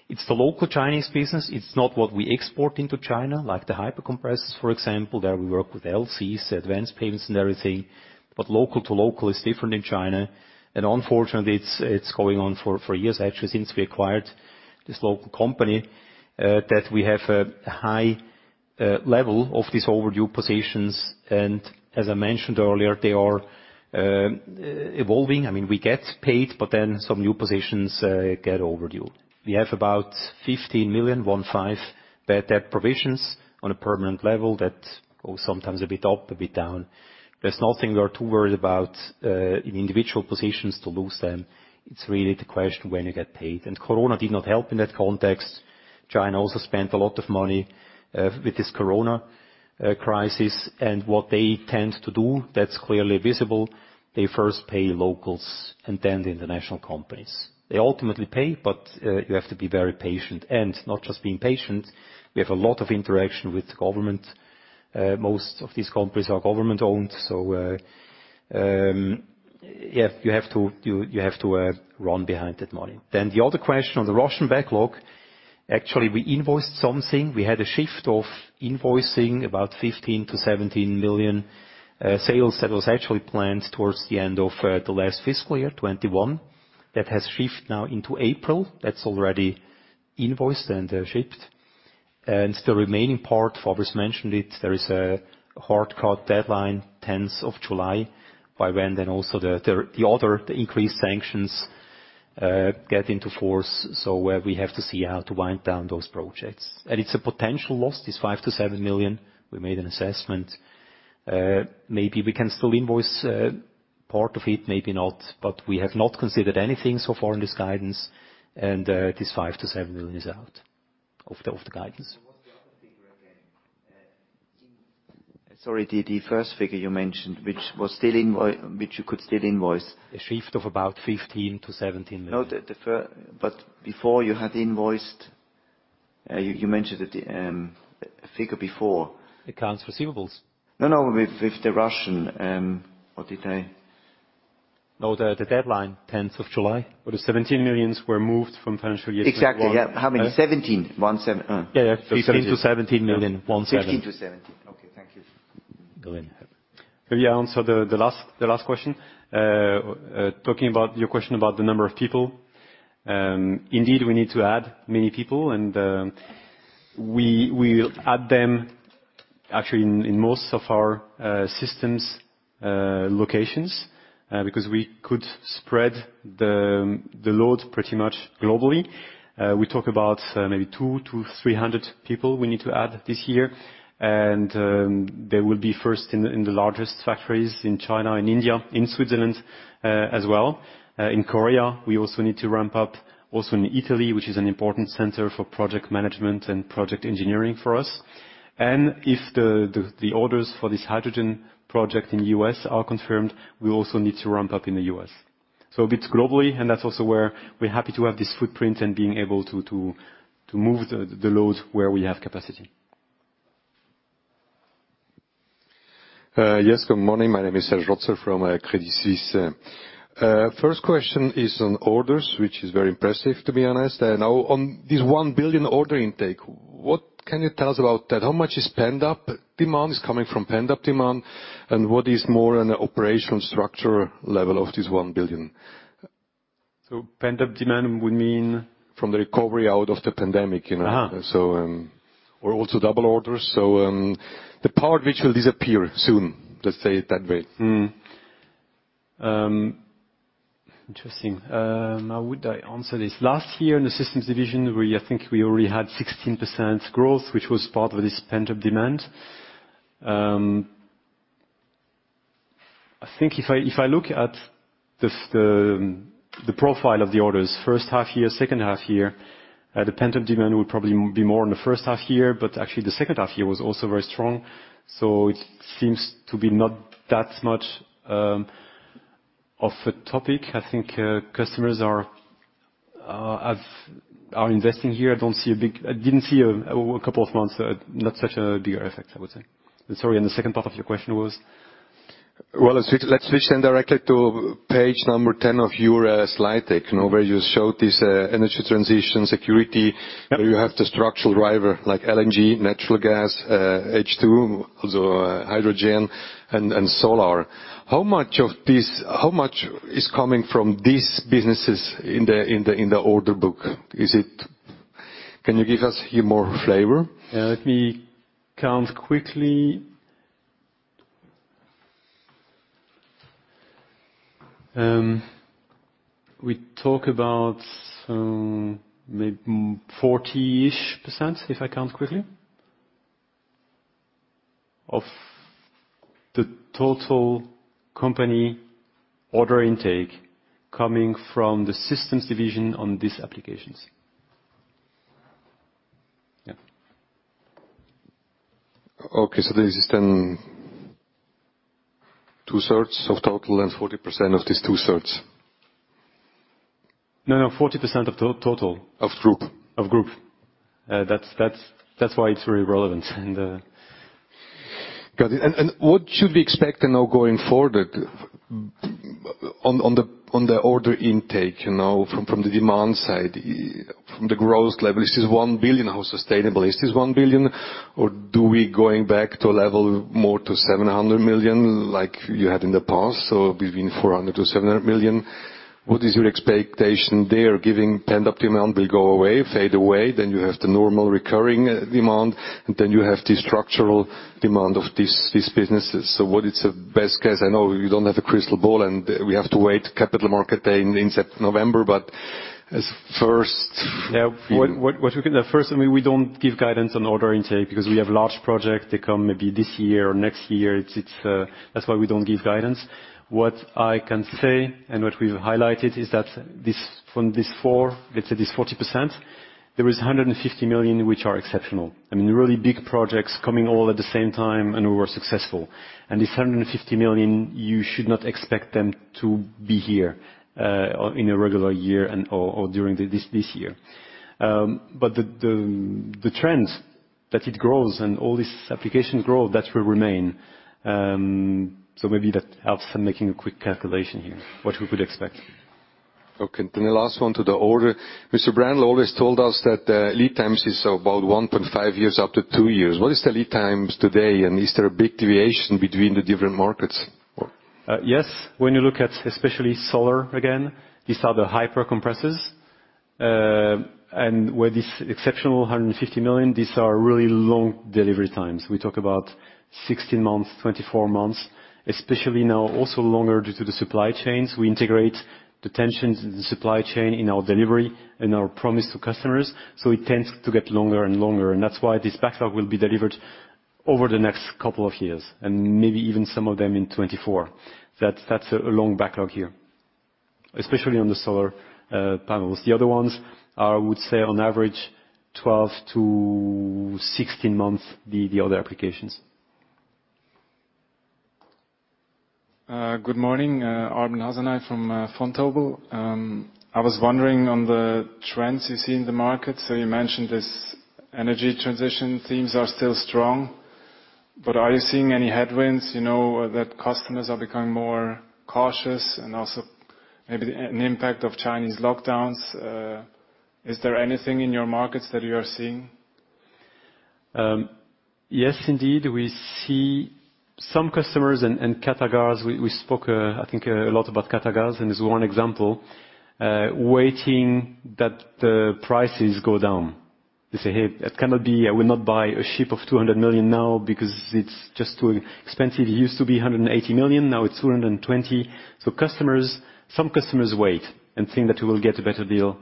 It's the local Chinese business. It's not what we export into China, like the Hyper compressor, for example, where we work with LCs, advanced payments and everything. Local to local is different in China. Unfortunately, it's going on for years, actually, since we acquired this local company, that we have a high level of these overdue positions. As I mentioned earlier, they are evolving. I mean, we get paid, but then some new positions get overdue. We have about 15 million bad debt provisions on a permanent level that goes sometimes a bit up, a bit down. There's nothing we are too worried about in individual positions to lose them. It's really the question when you get paid. Corona did not help in that context. China also spent a lot of money with this Corona crisis, and what they tend to do that's clearly visible, they first pay locals and then the international companies. They ultimately pay, but you have to be very patient. Not just being patient, we have a lot of interaction with government. Most of these companies are government-owned, so you have to run behind that money. The other question on the Russian backlog, actually, we invoiced something. We had a shift of invoicing about 15 to 17 million sales that was actually planned towards the end of the last fiscal year, 2021. That has shift now into April. That's already invoiced and shipped. The remaining part, Fabrice mentioned it, there is a hard-cut deadline, 10th of July, by when also the other increased sanctions get into force. We have to see how to wind down those projects. It's a potential loss, this 5 to 7 million. We made an assessment. Maybe we can still invoice part of it, maybe not. We have not considered anything so far in this guidance, and this 5 to 7 million is out of the guidance. What's the other figure again? Sorry, the first figure you mentioned, which you could still invoice. A shift of about 15 million-17 million. No, before you had invoiced, you mentioned it, a figure before. Accounts Receivables. No, no. With the Russian. What did I? No, the deadline, 10th of July. Well, the 17 million were moved from financial year 2021. Exactly, yeah. How many? 17. 1, 7. Yeah, yeah. 15 million-17 million. 17. 15 to 17. Okay, thank you. Go ahead. Maybe I answer the last question. Talking about your question about the number of people, indeed, we need to add many people and we add them actually in most of our systems locations because we could spread the load pretty much globally. We talk about maybe 200 to 300 people we need to add this year. They will be first in the largest factories in China and India, in Switzerland, as well. In Korea, we also need to ramp up also in Italy, which is an important center for project management and project engineering for us. If the orders for this hydrogen project in U.S. are confirmed, we also need to ramp up in the U.S. A bit globally, and that's also where we're happy to have this footprint and being able to move the loads where we have capacity. Good morning. My name is Serge Rotzer from Credit Suisse. First question is on orders, which is very impressive, to be honest. Now on this 1 billion order intake, what can you tell us about that? How much is coming from pent-up demand, and what is more on the operational structure level of this 1 billion? Pent-up demand would mean? From the recovery out of the pandemic, you know. Aha. Or also double orders. The part which will disappear soon, let's say it that way. Interesting. How would I answer this? Last year in the systems division, I think we already had 16% growth, which was part of this pent-up demand. I think if I look at the profile of the orders H1 year, H2 year, the pent-up demand would probably be more in the H1 year, but actually, the H2 year was also very strong, so it seems to be not that much of a topic. I think customers are investing here. I don't see a big. I didn't see a couple of months not such a big effect, I would say. Sorry, and the second part of your question was? Well, let's switch then directly to page number 10 of your slide deck, you know, where you showed this energy transition security. Yeah. Where you have the structural driver like LNG, natural gas, H2, so hydrogen and solar. How much is coming from these businesses in the order book? Can you give us here more flavor? Yeah. Let me count quickly. We talk about 40-ish%, if I count quickly, of the total company order intake coming from the systems division on these applications. Yeah. Okay. This is then 2/3 of total and 40% of this 2/3. No, no. 40% of the total. Of group. That's why it's very relevant. Got it. What should we expect to know going forward on the order intake, you know, from the demand side, from the growth level? Is this 1 billion? How sustainable is this 1 billion? Or do we going back to a level more to 700 million like you had in the past, so between 400 million-700 million? What is your expectation there, giving pent-up demand will go away, fade away, then you have the normal recurring demand, and then you have the structural demand of these businesses. What is the best case? I know you don't have a crystal ball, and we have to wait Capital Market Day in September, November. As first feeling. First, I mean, we don't give guidance on order intake because we have large projects. They come maybe this year or next year. That's why we don't give guidance. What I can say, and what we've highlighted, is that this 40%, let's say this 40%, there is 150 million which are exceptional. I mean, really big projects coming all at the same time, and we were successful. This 150 million, you should not expect them to be here or in a regular year and/or during this year. Maybe that helps in making a quick calculation here, what we could expect. Okay. The last one to the order. Mr. Brändli always told us that the lead times is about 1 to 5 years up to 2 years. What is the lead times today, and is there a big deviation between the different markets or? Yes. When you look at especially solar again, these are the Hyper compressor. With this exceptional 150 million, these are really long delivery times. We talk about 16 months, 24 months, especially now also longer due to the supply chains. We integrate the tensions in the supply chain in our delivery and our promise to customers, so it tends to get longer and longer. That's why this backlog will be delivered over the next couple of years, and maybe even some of them in 2024. That's a long backlog here, especially on the solar panels. The other ones are, I would say, on average 12 to 16 months, the other applications. Good morning. Arben Hasanaj from Vontobel. I was wondering on the trends you see in the market. You mentioned this energy transition themes are still strong, but are you seeing any headwinds, you know, that customers are becoming more cautious and also maybe an impact of Chinese lockdowns? Is there anything in your markets that you are seeing? Yes, indeed. We see some customers and Qatargas. We spoke, I think, a lot about Qatargas, and this is 1 example waiting that the prices go down. They say, "Hey, it cannot be. I will not buy a ship of 200 million now because it's just too expensive. It used to be 180 million, now it's 220 million." Customers, some customers wait and think that we will get a better deal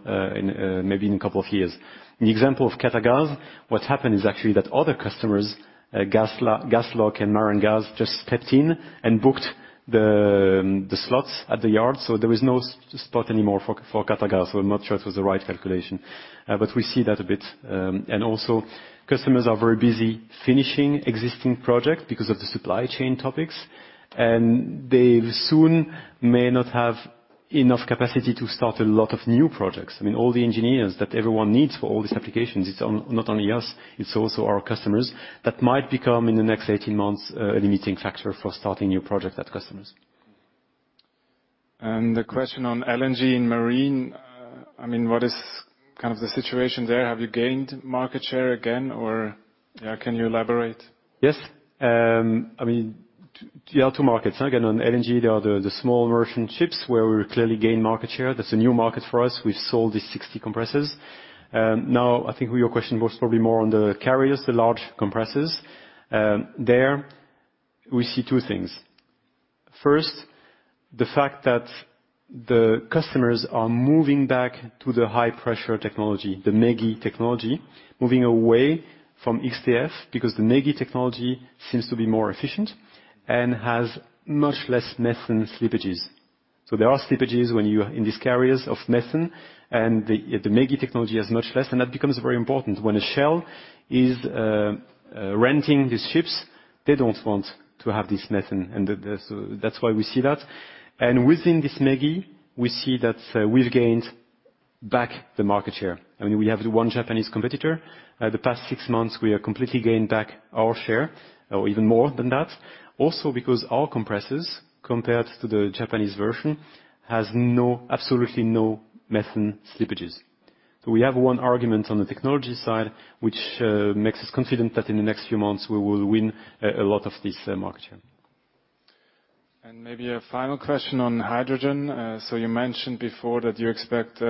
maybe in a couple of years. In the example of Qatargas, what happened is actually that other customers, GasLog and Maran Gas, just stepped in and booked the slots at the yard, so there was no spot anymore for Qatargas. I'm not sure it was the right calculation. We see that a bit. Also customers are very busy finishing existing project because of the supply chain topics, and they soon may not have enough capacity to start a lot of new projects. I mean, all the engineers that everyone needs for all these applications, it's not only us, it's also our customers, that might become, in the next 18 months, a limiting factor for starting new projects at customers. The question on LNG and marine, I mean, what is kind of the situation there? Have you gained market share again or. Yeah, can you elaborate? Yes. I mean, there are 2 markets. Again, on LNG, there are the small version ships where we clearly gain market share. That's a new market for us. We sold these 60 compressors. Now I think your question was probably more on the carriers, the large compressors. There we see 2 things. First, the fact that the customers are moving back to the high-pressure technology, the ME-GI Technology, moving away from X-DF because the ME-GI technology seems to be more efficient and has much less methane slippages. There are slippages when you are in these carriers of methane, and the ME-GI technology has much less, and that becomes very important. When a Shell is renting these ships, they don't want to have this methane. That's why we see that. Within this ME-GI, we see that we've gained back the market share. I mean, we have the 1 Japanese competitor. The past 6 months, we have completely gained back our share or even more than that. Also because our compressors, compared to the Japanese version, has absolutely no methane slippages. We have 1 argument on the technology side, which makes us confident that in the next few months, we will win a lot of this market share. Maybe a final question on hydrogen. You mentioned before that you expect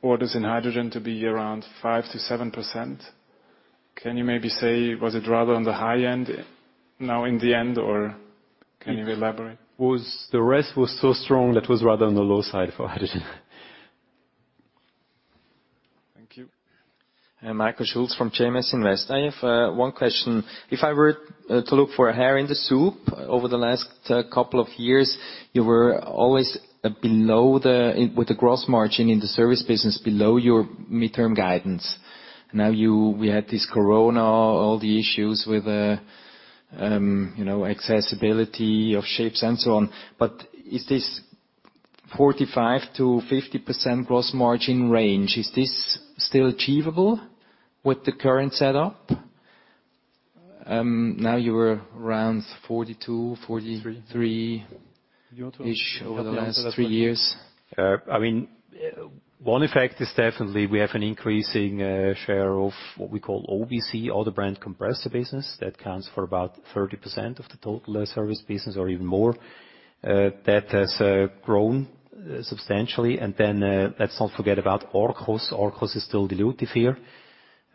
orders in hydrogen to be around 5% to 7%. Can you maybe say, was it rather on the high end now in the end or can you elaborate? The rest was so strong, that was rather on the low side for hydrogen. Thank you. Michael Züger from JMS Invest. I have 1 question. If I were to look for a hair in the soup, over the last couple of years, you were always below the with the gross margin in the service business below your midterm guidance. Now we had this Corona, all the issues with You know, accessibility of shapes and so on. Is this 45% to 50% gross margin range, is this still achievable with the current setup? Now you were around 42, 40- 3 3-ish over the last 3 years. I mean, 1 effect is definitely we have an increasing share of what we call OBC, Other Brand Compressor business. That counts for about 30% of the total service business or even more. That has grown substantially. Let's not forget about Arkos. Arkos is still dilutive here.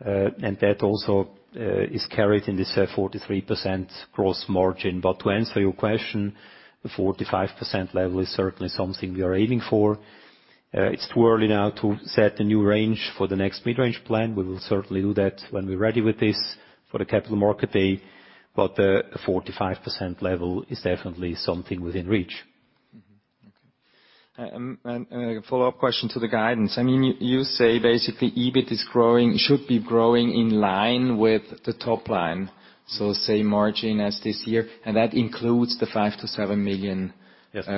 That also is carried in this 43% gross margin. To answer your question, the 45% level is certainly something we are aiming for. It's too early now to set a new range for the next mid-range plan. We will certainly do that when we're ready with this for the Capital Market Day. The 45% level is definitely something within reach. Mm-hmm. Okay. A follow-up question to the guidance. I mean, you say basically EBIT is growing, should be growing in line with the top line, so same margin as this year, and that includes the 5 million-7 million. Yes.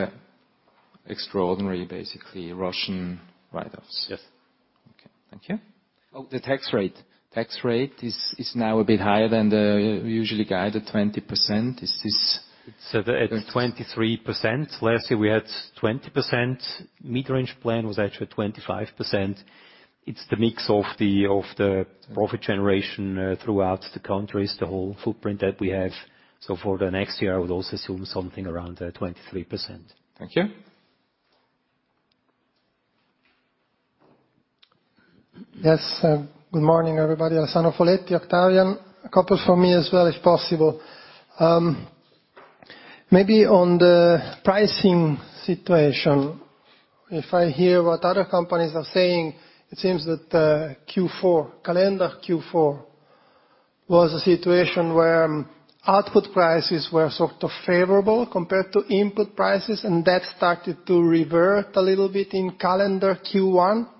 Extraordinary, basically, Russian write-offs. Yes. Okay. Thank you. Oh, the tax rate. Tax rate is now a bit higher than the usually guided 20%. Is this? at 23%. Last year, we had 20%. Mid-range plan was actually 25%. It's the mix of the profit generation throughout the countries, the whole footprint that we have. For the next year, I would also assume something around 23%. Thank you. Yes. Good morning, everybody. Alessandro Foletti, Octavian. A couple for me as well, if possible. Maybe on the pricing situation, if I hear what other companies are saying, it seems that Q4, calendar Q4, was a situation where output prices were sort of favorable compared to input prices, and that started to revert a little bit in calendar Q1.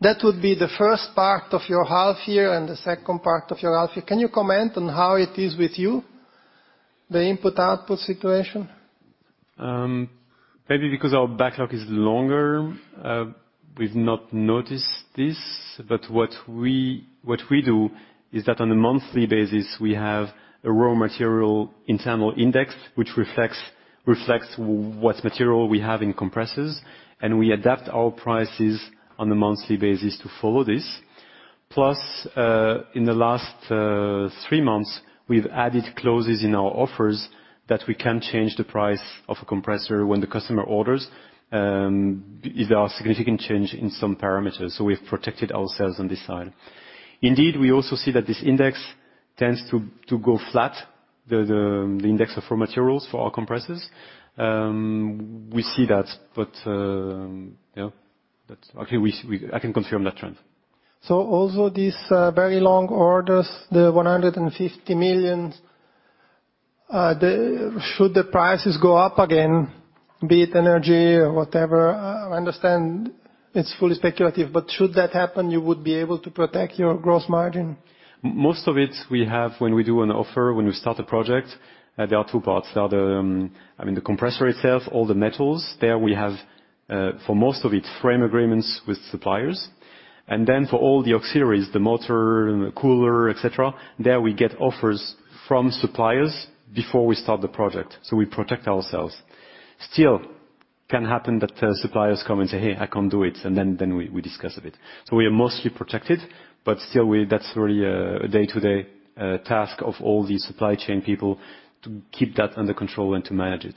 That would be the first part of your half year and the second part of your half year. Can you comment on how it is with you, the input-output situation? Maybe because our backlog is longer, we've not noticed this. What we do is that on a monthly basis, we have a raw material internal index which reflects what material we have in compressors, and we adapt our prices on a monthly basis to follow this. Plus, in the last 3 months, we've added clauses in our offers that we can change the price of a compressor when the customer orders, if there are significant change in some parameters. We have protected ourselves on this side. Indeed, we also see that this index tends to go flat, the index for materials for our compressors. We see that, but yeah, actually I can confirm that trend. Also these very long orders, the 150 million. Should the prices go up again, be it energy or whatever, I understand it's fully speculative, but should that happen, you would be able to protect your gross margin? Most of it, we have when we do an offer, when we start a project, there are 2 parts. There are the, I mean, the compressor itself, all the metals. There we have for most of it, frame agreements with suppliers. Then for all the auxiliaries, the motor, the cooler, et cetera, there we get offers from suppliers before we start the project, so we protect ourselves. Still can happen that suppliers come and say, "Hey, I can't do it," and then we discuss a bit. We are mostly protected, but still that's really a day-to-day task of all the supply chain people to keep that under control and to manage it.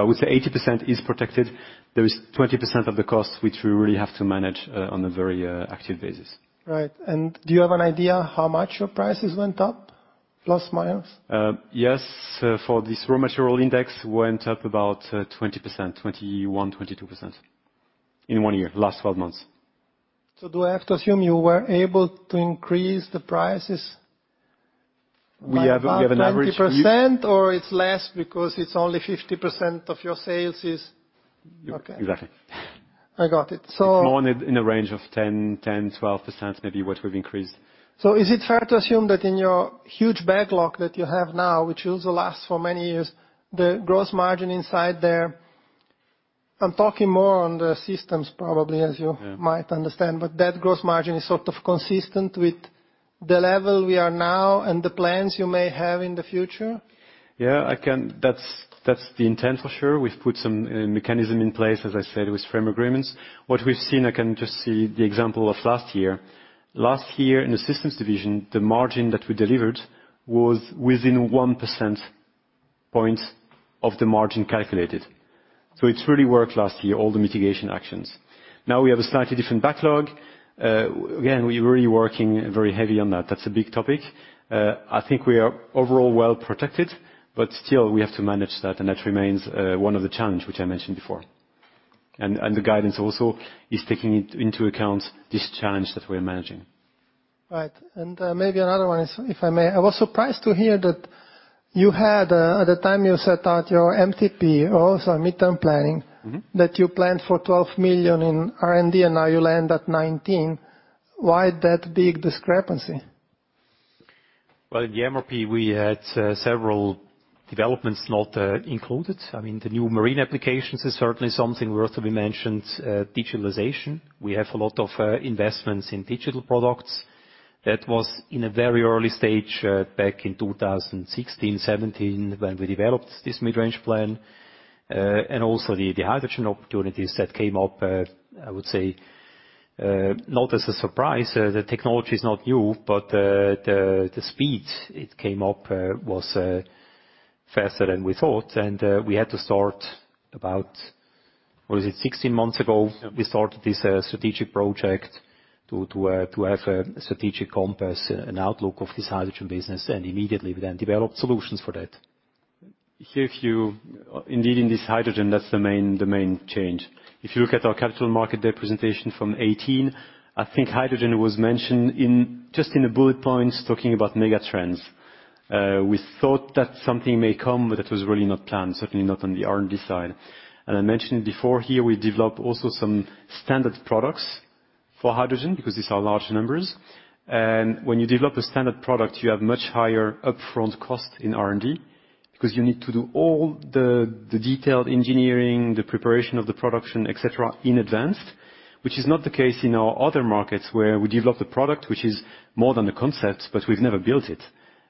I would say 80% is protected. There is 20% of the cost, which we really have to manage, on a very active basis. Right. Do you have an idea how much your prices went up last year? Yes. For this raw material index went up about 20%, 21, 22% in 1 year, last 12 months. Do I have to assume you were able to increase the prices by about 20%? We have an average It's less because it's only 50% of your sales. Okay. Exactly. I got it. It's more in the range of 10% to 12%, maybe what we've increased. Is it fair to assume that in your huge backlog that you have now, which will last for many years, the gross margin inside there, I'm talking more on the systems probably, as you- Yeah. You might understand, but that gross margin is sort of consistent with the level we are at now and the plans you may have in the future? That's the intent for sure. We've put some mechanism in place, as I said, with frame agreements. What we've seen, I can just see the example of last year. Last year in the systems division, the margin that we delivered was within 1% point of the margin calculated. It's really worked last year, all the mitigation actions. Now we have a slightly different backlog. Again, we're really working very heavily on that. That's a big topic. I think we are overall well-protected, but still we have to manage that, and that remains one of the challenges which I mentioned before. The guidance also is taking it into account, this challenge that we're managing. Right. Maybe another one, if I may. I was surprised to hear that. You had, at the time you set out your MTP, also midterm planning that you planned for 12 million in R&D, and now you land at 19 million. Why that big discrepancy? Well, in the MRP, we had several developments not included. I mean, the new marine applications is certainly something worth to be mentioned. Digitalization, we have a lot of investments in digital products. That was in a very early stage, back in 2016, 2017, when we developed this mid-range plan. Also the hydrogen opportunities that came up, I would say, not as a surprise. The technology is not new, but the speed it came up was faster than we thought. We had to start about 16 months ago. Was it 16 months ago? Yeah. We started this strategic project to have a strategic compass and outlook of this hydrogen business and immediately we then developed solutions for that. Indeed, in this hydrogen, that's the main change. If you look at our capital market day presentation from 2018, I think hydrogen was mentioned just in the bullet points talking about mega trends. We thought that something may come, but that was really not planned, certainly not on the R&D side. I mentioned before here we developed also some standard products for hydrogen because these are large numbers. When you develop a standard product, you have much higher upfront costs in R&D because you need to do all the detailed engineering, the preparation of the production, et cetera, in advance. Which is not the case in our other markets, where we develop the product which is more than a concept, but we've never built it.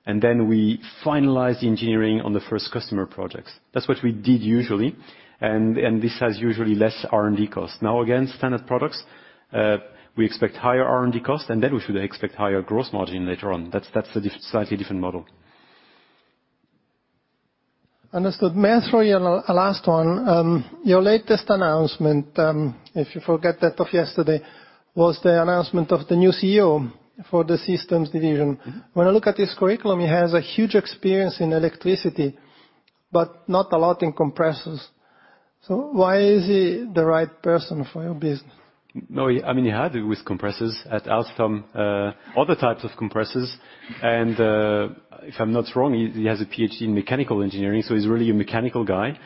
Then we finalize the engineering on the first customer projects. That's what we did usually. This has usually less R&D costs. Now, again, standard products, we expect higher R&D costs, and then we should expect higher growth margin later on. That's slightly different model. Understood. May I throw you a last one? Your latest announcement, if you forget that of yesterday, was the announcement of the new CEO for the systems division. When I look at his curriculum, he has a huge experience in electricity, but not a lot in compressors. Why is he the right person for your business? No, I mean, he had with compressors at Alstom, other types of compressors. If I'm not wrong, he has a Ph.D. in mechanical engineering, so he's really a mechanical guy,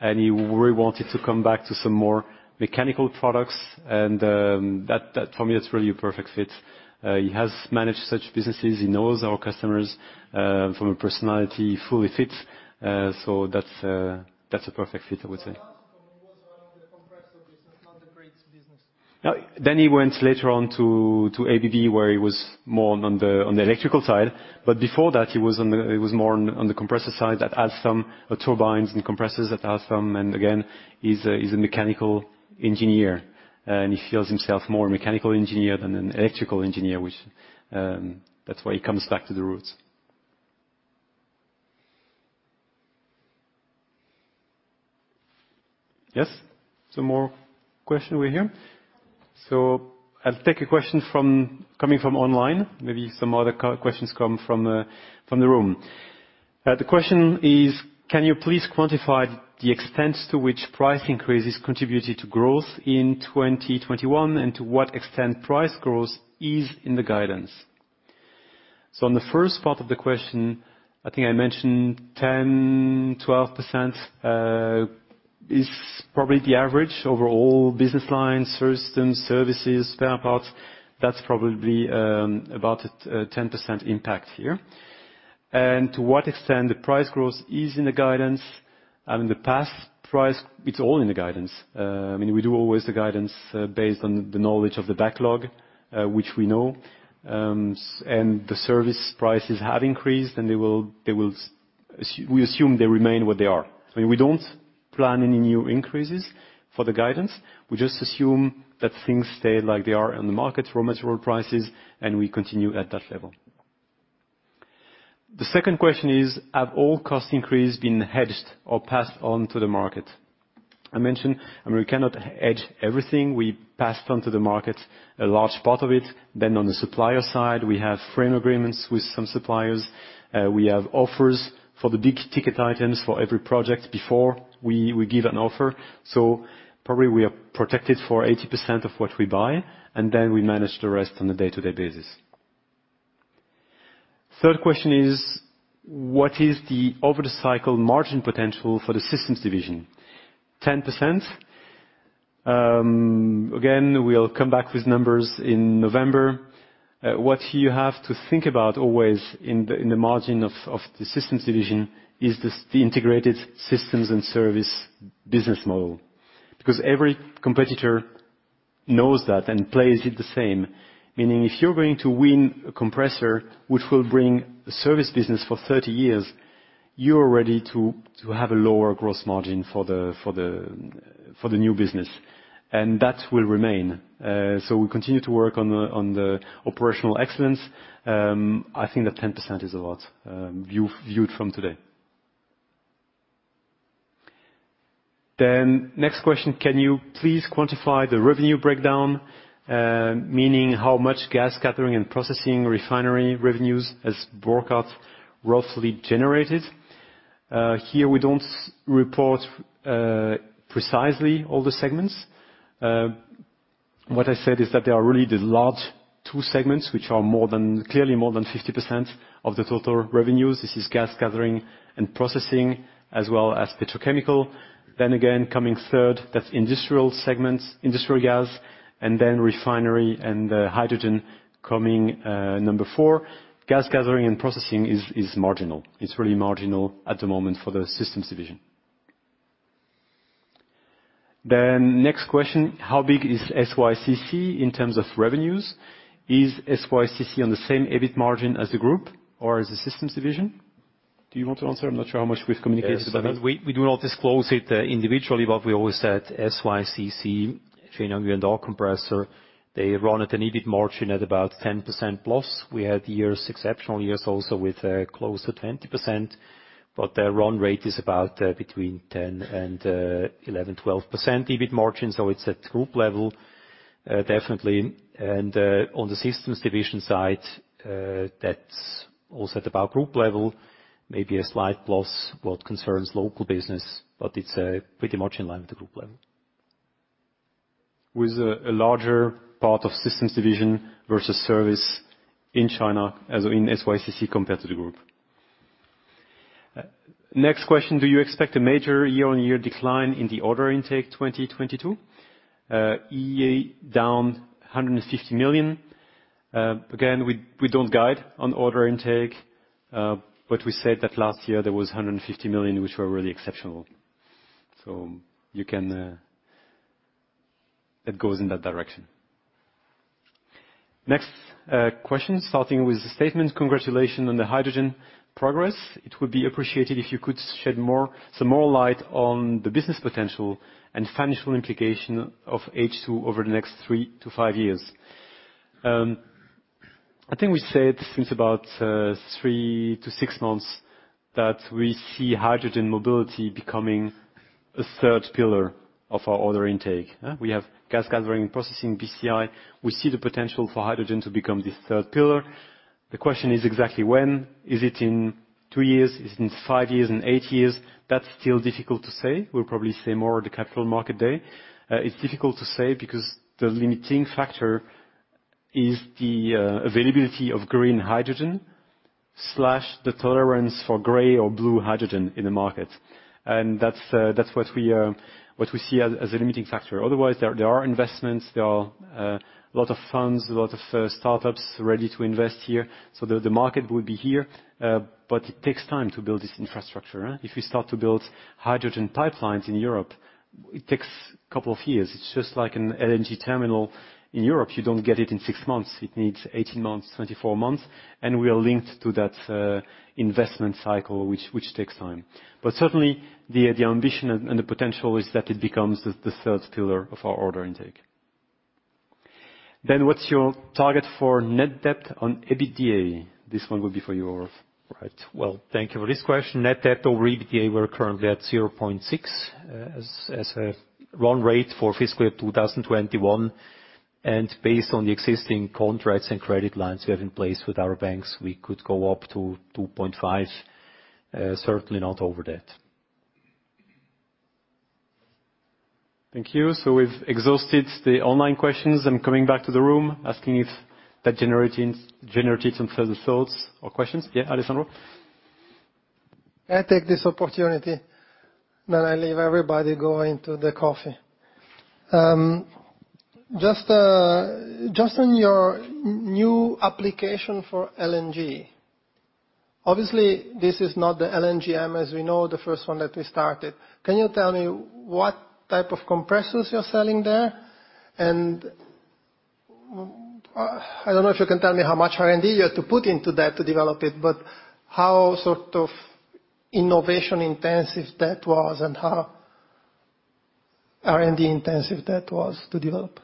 and he really wanted to come back to some more mechanical products. That for me, that's really a perfect fit. He has managed such businesses. He knows our customers. From a personality, fully fits. That's a perfect fit, I would say. Alstom was one of the compressor business, not the greatest business. He went later on to ABB, where he was more on the electrical side. Before that, he was more on the compressor side at Alstom, turbines and compressors at Alstom. Again, he's a mechanical engineer, and he feels himself more a mechanical engineer than an electrical engineer. Which, that's why he comes back to the roots. Yes. Some more questions over here. I'll take a question coming from online. Maybe some other questions come from the room. The question is: Can you please quantify the extent to which price increases contributed to growth in 2021, and to what extent price growth is in the guidance? On the first part of the question, I think I mentioned 10, 12% is probably the average over all business lines, systems, services, spare parts. That's probably about a 10% impact here. To what extent the price growth is in the guidance? I mean, the past price, it's all in the guidance. I mean, we always do the guidance based on the knowledge of the backlog, which we know. The service prices have increased, and they will, we assume they remain what they are. I mean, we don't plan any new increases for the guidance. We just assume that things stay like they are in the market, raw material prices, and we continue at that level. The second question is, have all cost increases been hedged or passed on to the market? I mentioned, I mean, we cannot hedge everything. We passed on to the market a large part of it. On the supplier side, we have frame agreements with some suppliers. We have offers for the big-ticket items for every project before we give an offer. Probably we are protected for 80% of what we buy, and then we manage the rest on a day-to-day basis. Third question is: What is the over the cycle margin potential for the systems division? 10%. Again, we'll come back with numbers in November. What you have to think about always in the margin of the systems division is the integrated systems and service business model. Because every competitor knows that and plays it the same. Meaning, if you're going to win a compressor which will bring a service business for 30 years, you're ready to have a lower growth margin for the new business. That will remain. We continue to work on the operational excellence. I think that 10% is a lot, viewed from today. Next question: Can you please quantify the revenue breakdown? Meaning how much gas gathering and processing refinery revenues has Burckhardt roughly generated? Here we don't report precisely all the segments. What I said is that there are really the large 2 segments, which are more than, clearly more than 50% of the total revenues. This is gas gathering and processing, as well as petrochemical. Again, coming third, that's industrial segments, industrial gas, and then refinery and hydrogen coming number 4. Gas gathering and processing is marginal. It's really marginal at the moment for the systems division. Next question, how big is Shenyang Yuanda Compressor in terms of revenues? Is Shenyang Yuanda Compressor on the same EBIT margin as the group or as the systems division? Do you want to answer? I'm not sure how much we've communicated about it. Yes. We do not disclose it individually, but we always said SYCC, Shenyang Yuanda Compressor, they run at an EBIT margin at about 10%+. We had years, exceptional years also with close to 20%, but their run rate is about between 10% and 11% to 12% EBIT margin, so it's at group level definitely. On the systems division side, that's also at about group level, maybe a slight plus what concerns local business, but it's pretty much in line with the group level. With a larger part of systems division versus service in China as in SYCC compared to the group. Next question: Do you expect a major year-on-year decline in the order intake 2022? Yeah, down 150 million. Again, we don't guide on order intake, but we said that last year there was 150 million, which were really exceptional. It goes in that direction. Next question, starting with the statement, congratulations on the hydrogen progress. It would be appreciated if you could shed some more light on the business potential and financial implication of H2 over the next 3 to 5 years. I think we said since about 3 to 6 months that we see hydrogen mobility becoming a third pillar of our order intake. We have gas gathering, processing, PCI. We see the potential for hydrogen to become this third pillar. The question is exactly when. Is it in 2 years? Is it in 5 years? In 8 years? That's still difficult to say. We'll probably say more at the Capital Market Day. It's difficult to say because the limiting factor is the availability of green hydrogen / the tolerance for gray or blue hydrogen in the market. That's what we see as a limiting factor. Otherwise, there are investments, there are a lot of funds, a lot of startups ready to invest here. The market will be here, but it takes time to build this infrastructure. If we start to build hydrogen pipelines in Europe, it takes a couple of years. It's just like an LNG terminal in Europe. You don't get it in 6 months. It needs 18 months, 24 months, and we are linked to that investment cycle, which takes time. Certainly, the ambition and the potential is that it becomes the third pillar of our order intake. What's your target for net debt on EBITDA? This one will be for you, Rolf Brändli. Right. Well, thank you for this question. Net debt over EBITDA, we're currently at 0.6 as a run rate for fiscal year 2021. Based on the existing contracts and credit lines we have in place with our banks, we could go up to 2.5, certainly not over that. Thank you. We've exhausted the online questions. I'm coming back to the room, asking if that generated some further thoughts or questions. Yeah, Alessandro. Can I take this opportunity, then I leave everybody going to the coffee. On your new application for LNG. Obviously, this is not the LNG market as we know, the first one that we started. Can you tell me what type of compressors you're selling there? I don't know if you can tell me how much R&D you had to put into that to develop it, but how sort of innovation-intensive that was and how R&D intensive that was to develop?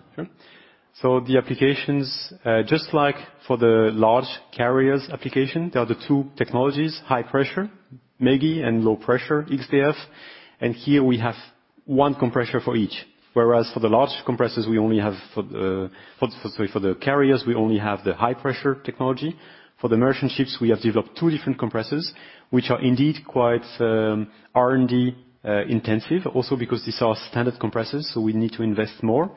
Sure. The applications, just like for the large carriers application, there are the 2 technologies, high-pressure ME-GI, and low-pressure X-DF. Here we have one compressor for each. Whereas for the large compressors, for the carriers, we only have the high-pressure technology. For the merchant ships, we have developed 2 different compressors, which are indeed quite R&D intensive, also because these are standard compressors, so we need to invest more.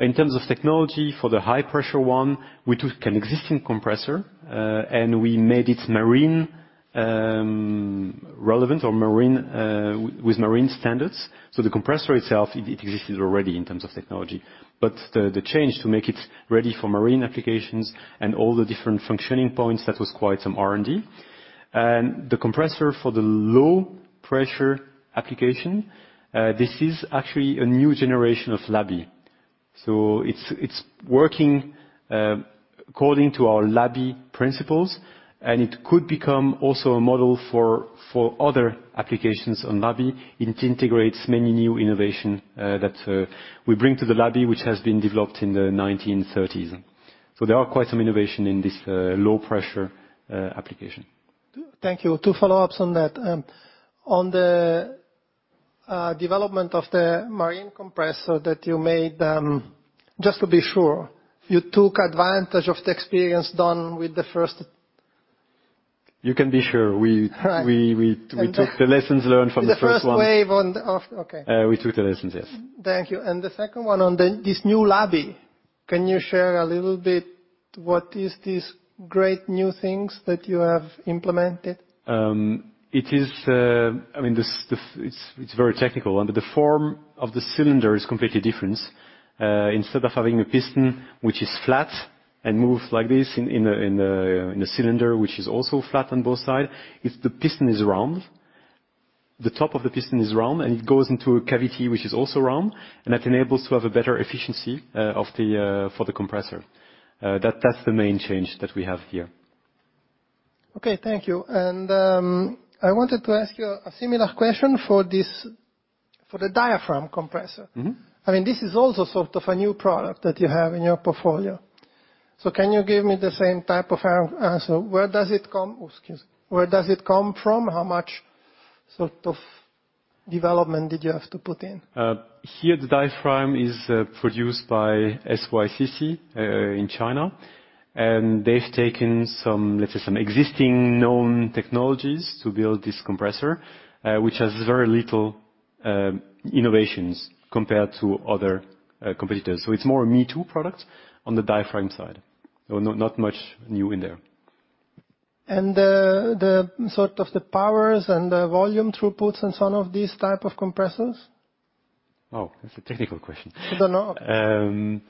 In terms of technology for the high-pressure one, we took an existing compressor, and we made it marine relevant or marine with marine standards. The compressor itself, it existed already in terms of technology. The change to make it ready for marine applications and all the different functioning points, that was quite some R&D. The compressor for the low pressure application, this is actually a new generation of Laby. It's working according to our Laby principles, and it could become also a model for other applications on Laby. It integrates many new innovation that we bring to the Laby, which has been developed in the 1930s. There are quite some innovation in this low pressure application. Thank you. 2 follow-ups on that. On the development of the marine compressor that you made, just to be sure, you took advantage of the experience done with the first You can be sure we. Right. We took the lessons learned from the first one. Okay. We took the lessons, yes. Thank you. The second one on this new Laby. Can you share a little bit what is these great new things that you have implemented? I mean, it's very technical. The form of the cylinder is completely different. Instead of having a piston which is flat and moves like this in a cylinder which is also flat on both sides, the piston is round. The top of the piston is round, and it goes into a cavity which is also round, and that enables to have a better efficiency for the compressor. That's the main change that we have here. Okay, thank you. I wanted to ask you a similar question for this, for the Diaphragm Compressor. Mm-hmm. I mean, this is also sort of a new product that you have in your portfolio. Can you give me the same type of an answer? Where does it come from? How much sort of development did you have to put in? Here, the diaphragm is produced by SYCC in China. They've taken some, let's say, some existing known technologies to build this compressor, which has very little innovations compared to other competitors. It's more a me-too product on the diaphragm side. Not much new in there. The sort of powers and the volume throughputs and so on of these type of compressors? Oh, that's a technical question. It's a no.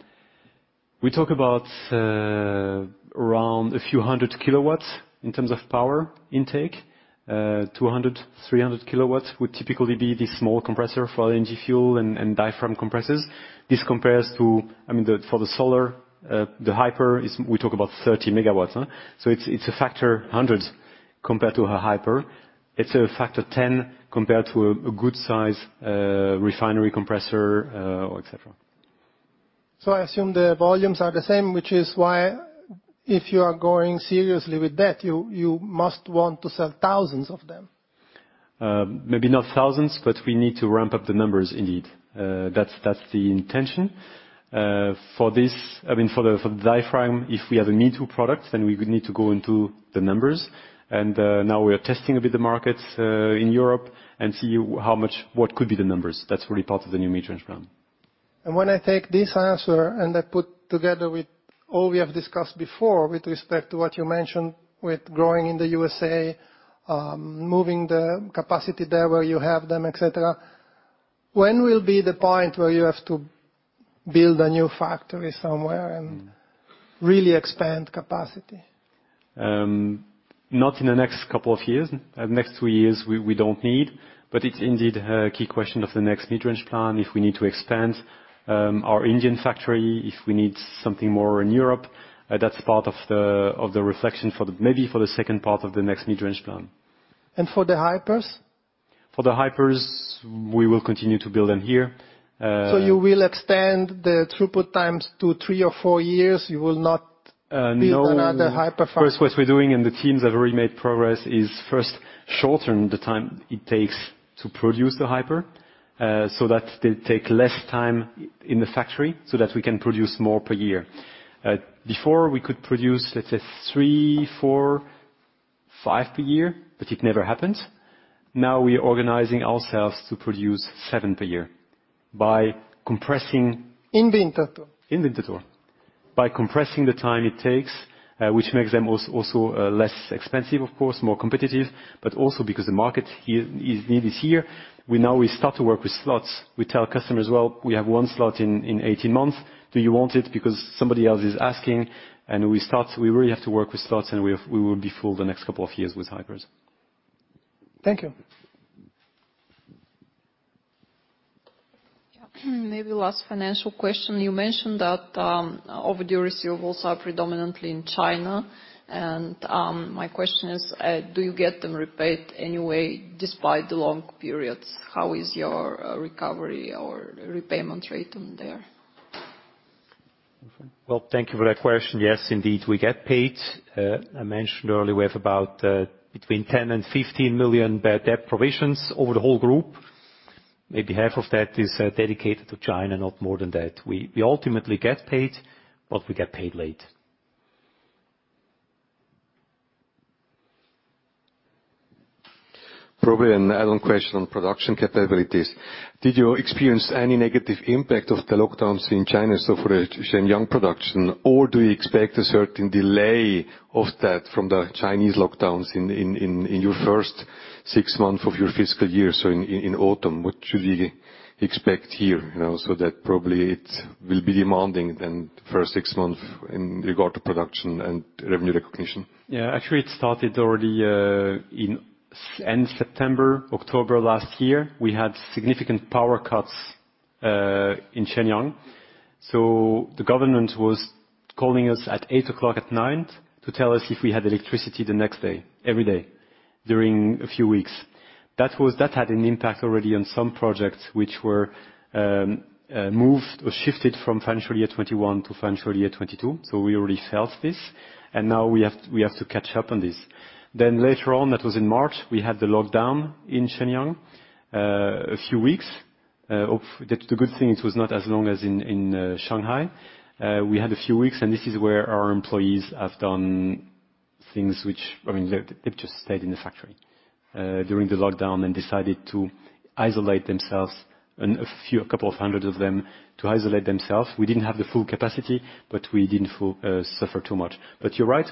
We talk about around a few hundred kilowatts in terms of power intake. 200 kW to 300 kW would typically be the small compressor for LNG fuel and diaphragm compressors. This compares to. I mean, the, for the solar, the Hyper is we talk about 30 MW. It's a factor 100 compared to a Hyper. It's a factor 10 compared to a good size refinery compressor, et cetera. I assume the volumes are the same, which is why if you are going seriously with that, you must want to sell thousands of them. Maybe not thousands, but we need to ramp up the numbers indeed. That's the intention. I mean, for the diaphragm, if we have a me-too product, then we would need to go into the numbers. Now we are testing with the markets in Europe and see what could be the numbers. That's really part of the new mid-range plan. When I take this answer and I put together with all we have discussed before with respect to what you mentioned with growing in the USA, moving the capacity there where you have them, et cetera, when will be the point where you have to build a new factory somewhere and really expand capacity? Not in the next couple of years. Next 3 years, we don't need, but it's indeed a key question of the next mid-range plan. If we need to expand our engine factory, if we need something more in Europe, that's part of the reflection, maybe for the second part of the next mid-range plan. For the Hypers? For the Hypers, we will continue to build them here. You will extend the throughput times to 3 to 4 years, you will not- No. Build another Hyper factory? First, what we're doing, and the teams have already made progress, is first shorten the time it takes to produce the Hyper, so that they take less time in the factory so that we can produce more per year. Before we could produce, let's say, 3, 4, 5 per year, but it never happened. Now we're organizing ourselves to produce 7 per year by compressing- In Winterthur? In Winterthur. By compressing the time it takes, which makes them also less expensive, of course, more competitive, but also because the market here, the need is here. We now start to work with slots. We tell customers, "Well, we have 1 slot in 18 months. Do you want it? Because somebody else is asking." We start. We really have to work with slots, and we will be full the next couple of years with Hypers. Thank you. Yeah. Maybe last financial question. You mentioned that overdue receivables are predominantly in China. My question is, do you get them repaid anyway despite the long periods? How is your recovery or repayment rate in there? Well, thank you for that question. Yes, indeed, we get paid. I mentioned earlier, we have about between 10 and 15 million bad debt provisions over the whole group. Maybe half of that is dedicated to China, not more than that. We ultimately get paid, but we get paid late. Probably an add-on question on production capabilities. Did you experience any negative impact of the lockdowns in China so far to Shenyang production? Or do you expect a certain delay of that from the Chinese lockdowns in your first 6 months of your fiscal year, so in autumn? What should we expect here, you know? That probably it will be demanding then the first 6 months in regard to production and revenue recognition. Yeah. Actually, it started already in end September, October last year. We had significant power cuts in Shenyang. The government was calling us at 8:00 P.M. to tell us if we had electricity the next day, every day, during a few weeks. That had an impact already on some projects which were moved or shifted from financial year 2021 to financial year 2022. We already saw this, and now we have to catch up on this. Later on, that was in March, we had the lockdown in Shenyang, a few weeks. The good thing, it was not as long as in Shanghai. We had a few weeks, and this is where our employees have done things which... I mean, they've just stayed in the factory during the lockdown and decided to isolate themselves, and a couple of hundred of them to isolate themselves. We didn't have the full capacity, but we didn't suffer too much. You're right,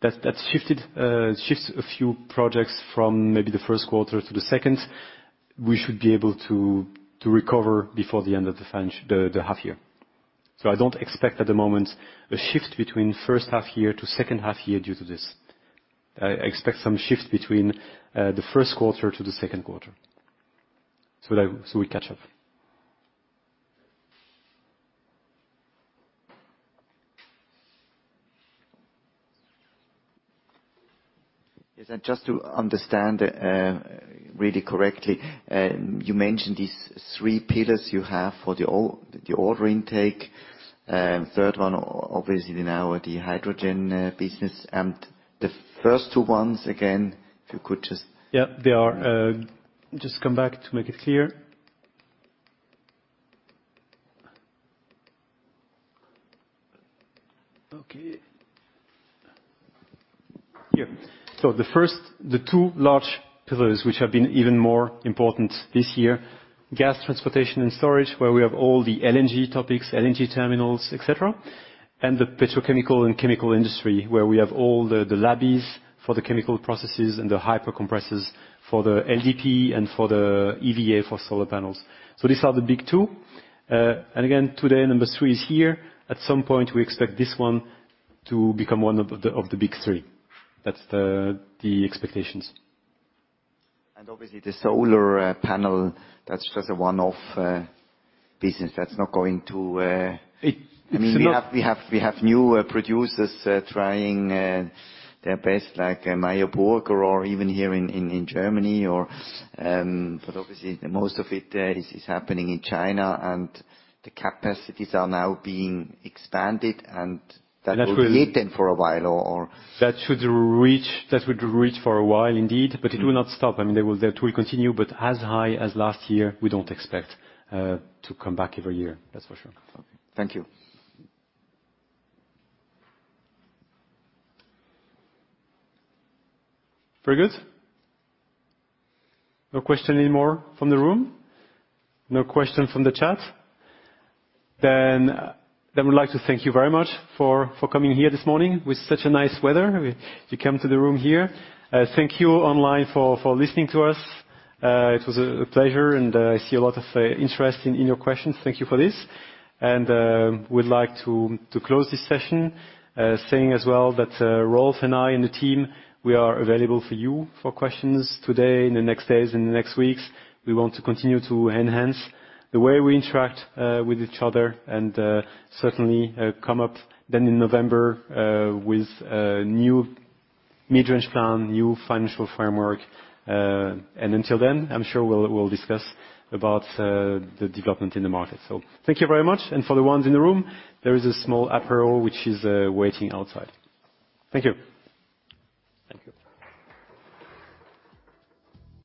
that shifts a few projects from maybe the Q1 to the Q2. We should be able to recover before the end of the H1 year. I don't expect at the moment a shift between H1 year to H2 year due to this. I expect some shift between the Q1 to the Q2. We catch up. Yes. Just to understand really correctly, you mentioned these 3 pillars you have for the order intake. Third one obviously now the hydrogen business. The first 2 ones again, if you could just- Yeah. They are. Just come back to make it clear. Okay. Here. The 2 large pillars which have been even more important this year, gas transportation and storage, where we have all the LNG topics, LNG terminals, et cetera, and the petrochemical and chemical industry, where we have all the Labys for the chemical processes and the Hyper compressor for the LDPE and for the EVA for solar panels. These are the big 2. Again, today number 3 is here. At some point we expect this one to become 1 of the big 3. That's the expectations. Obviously the solar panel, that's just a one-off business. That's not going to It's, it's not- I mean, we have new producers trying their best like Meyer Burger or even here in Germany or. Obviously the most of it is happening in China and the capacities are now being expanded and that. That will- will lead them for a while or That would reach for a while indeed, but it will not stop. I mean, that will continue, but as high as last year we don't expect to come back every year, that's for sure. Okay. Thank you. Very good. No question anymore from the room? No question from the chat? Then we'd like to thank you very much for coming here this morning with such a nice weather. You come to the room here. Thank you online for listening to us. It was a pleasure and I see a lot of interest in your questions. Thank you for this. We'd like to close this session saying as well that Rolf and I and the team, we are available for you for questions today, in the next days, in the next weeks. We want to continue to enhance the way we interact with each other and certainly come up then in November with a new mid-range plan, new financial framework. Until then, I'm sure we'll discuss about the development in the market. Thank you very much. For the ones in the room, there is a small Aperol which is waiting outside. Thank you.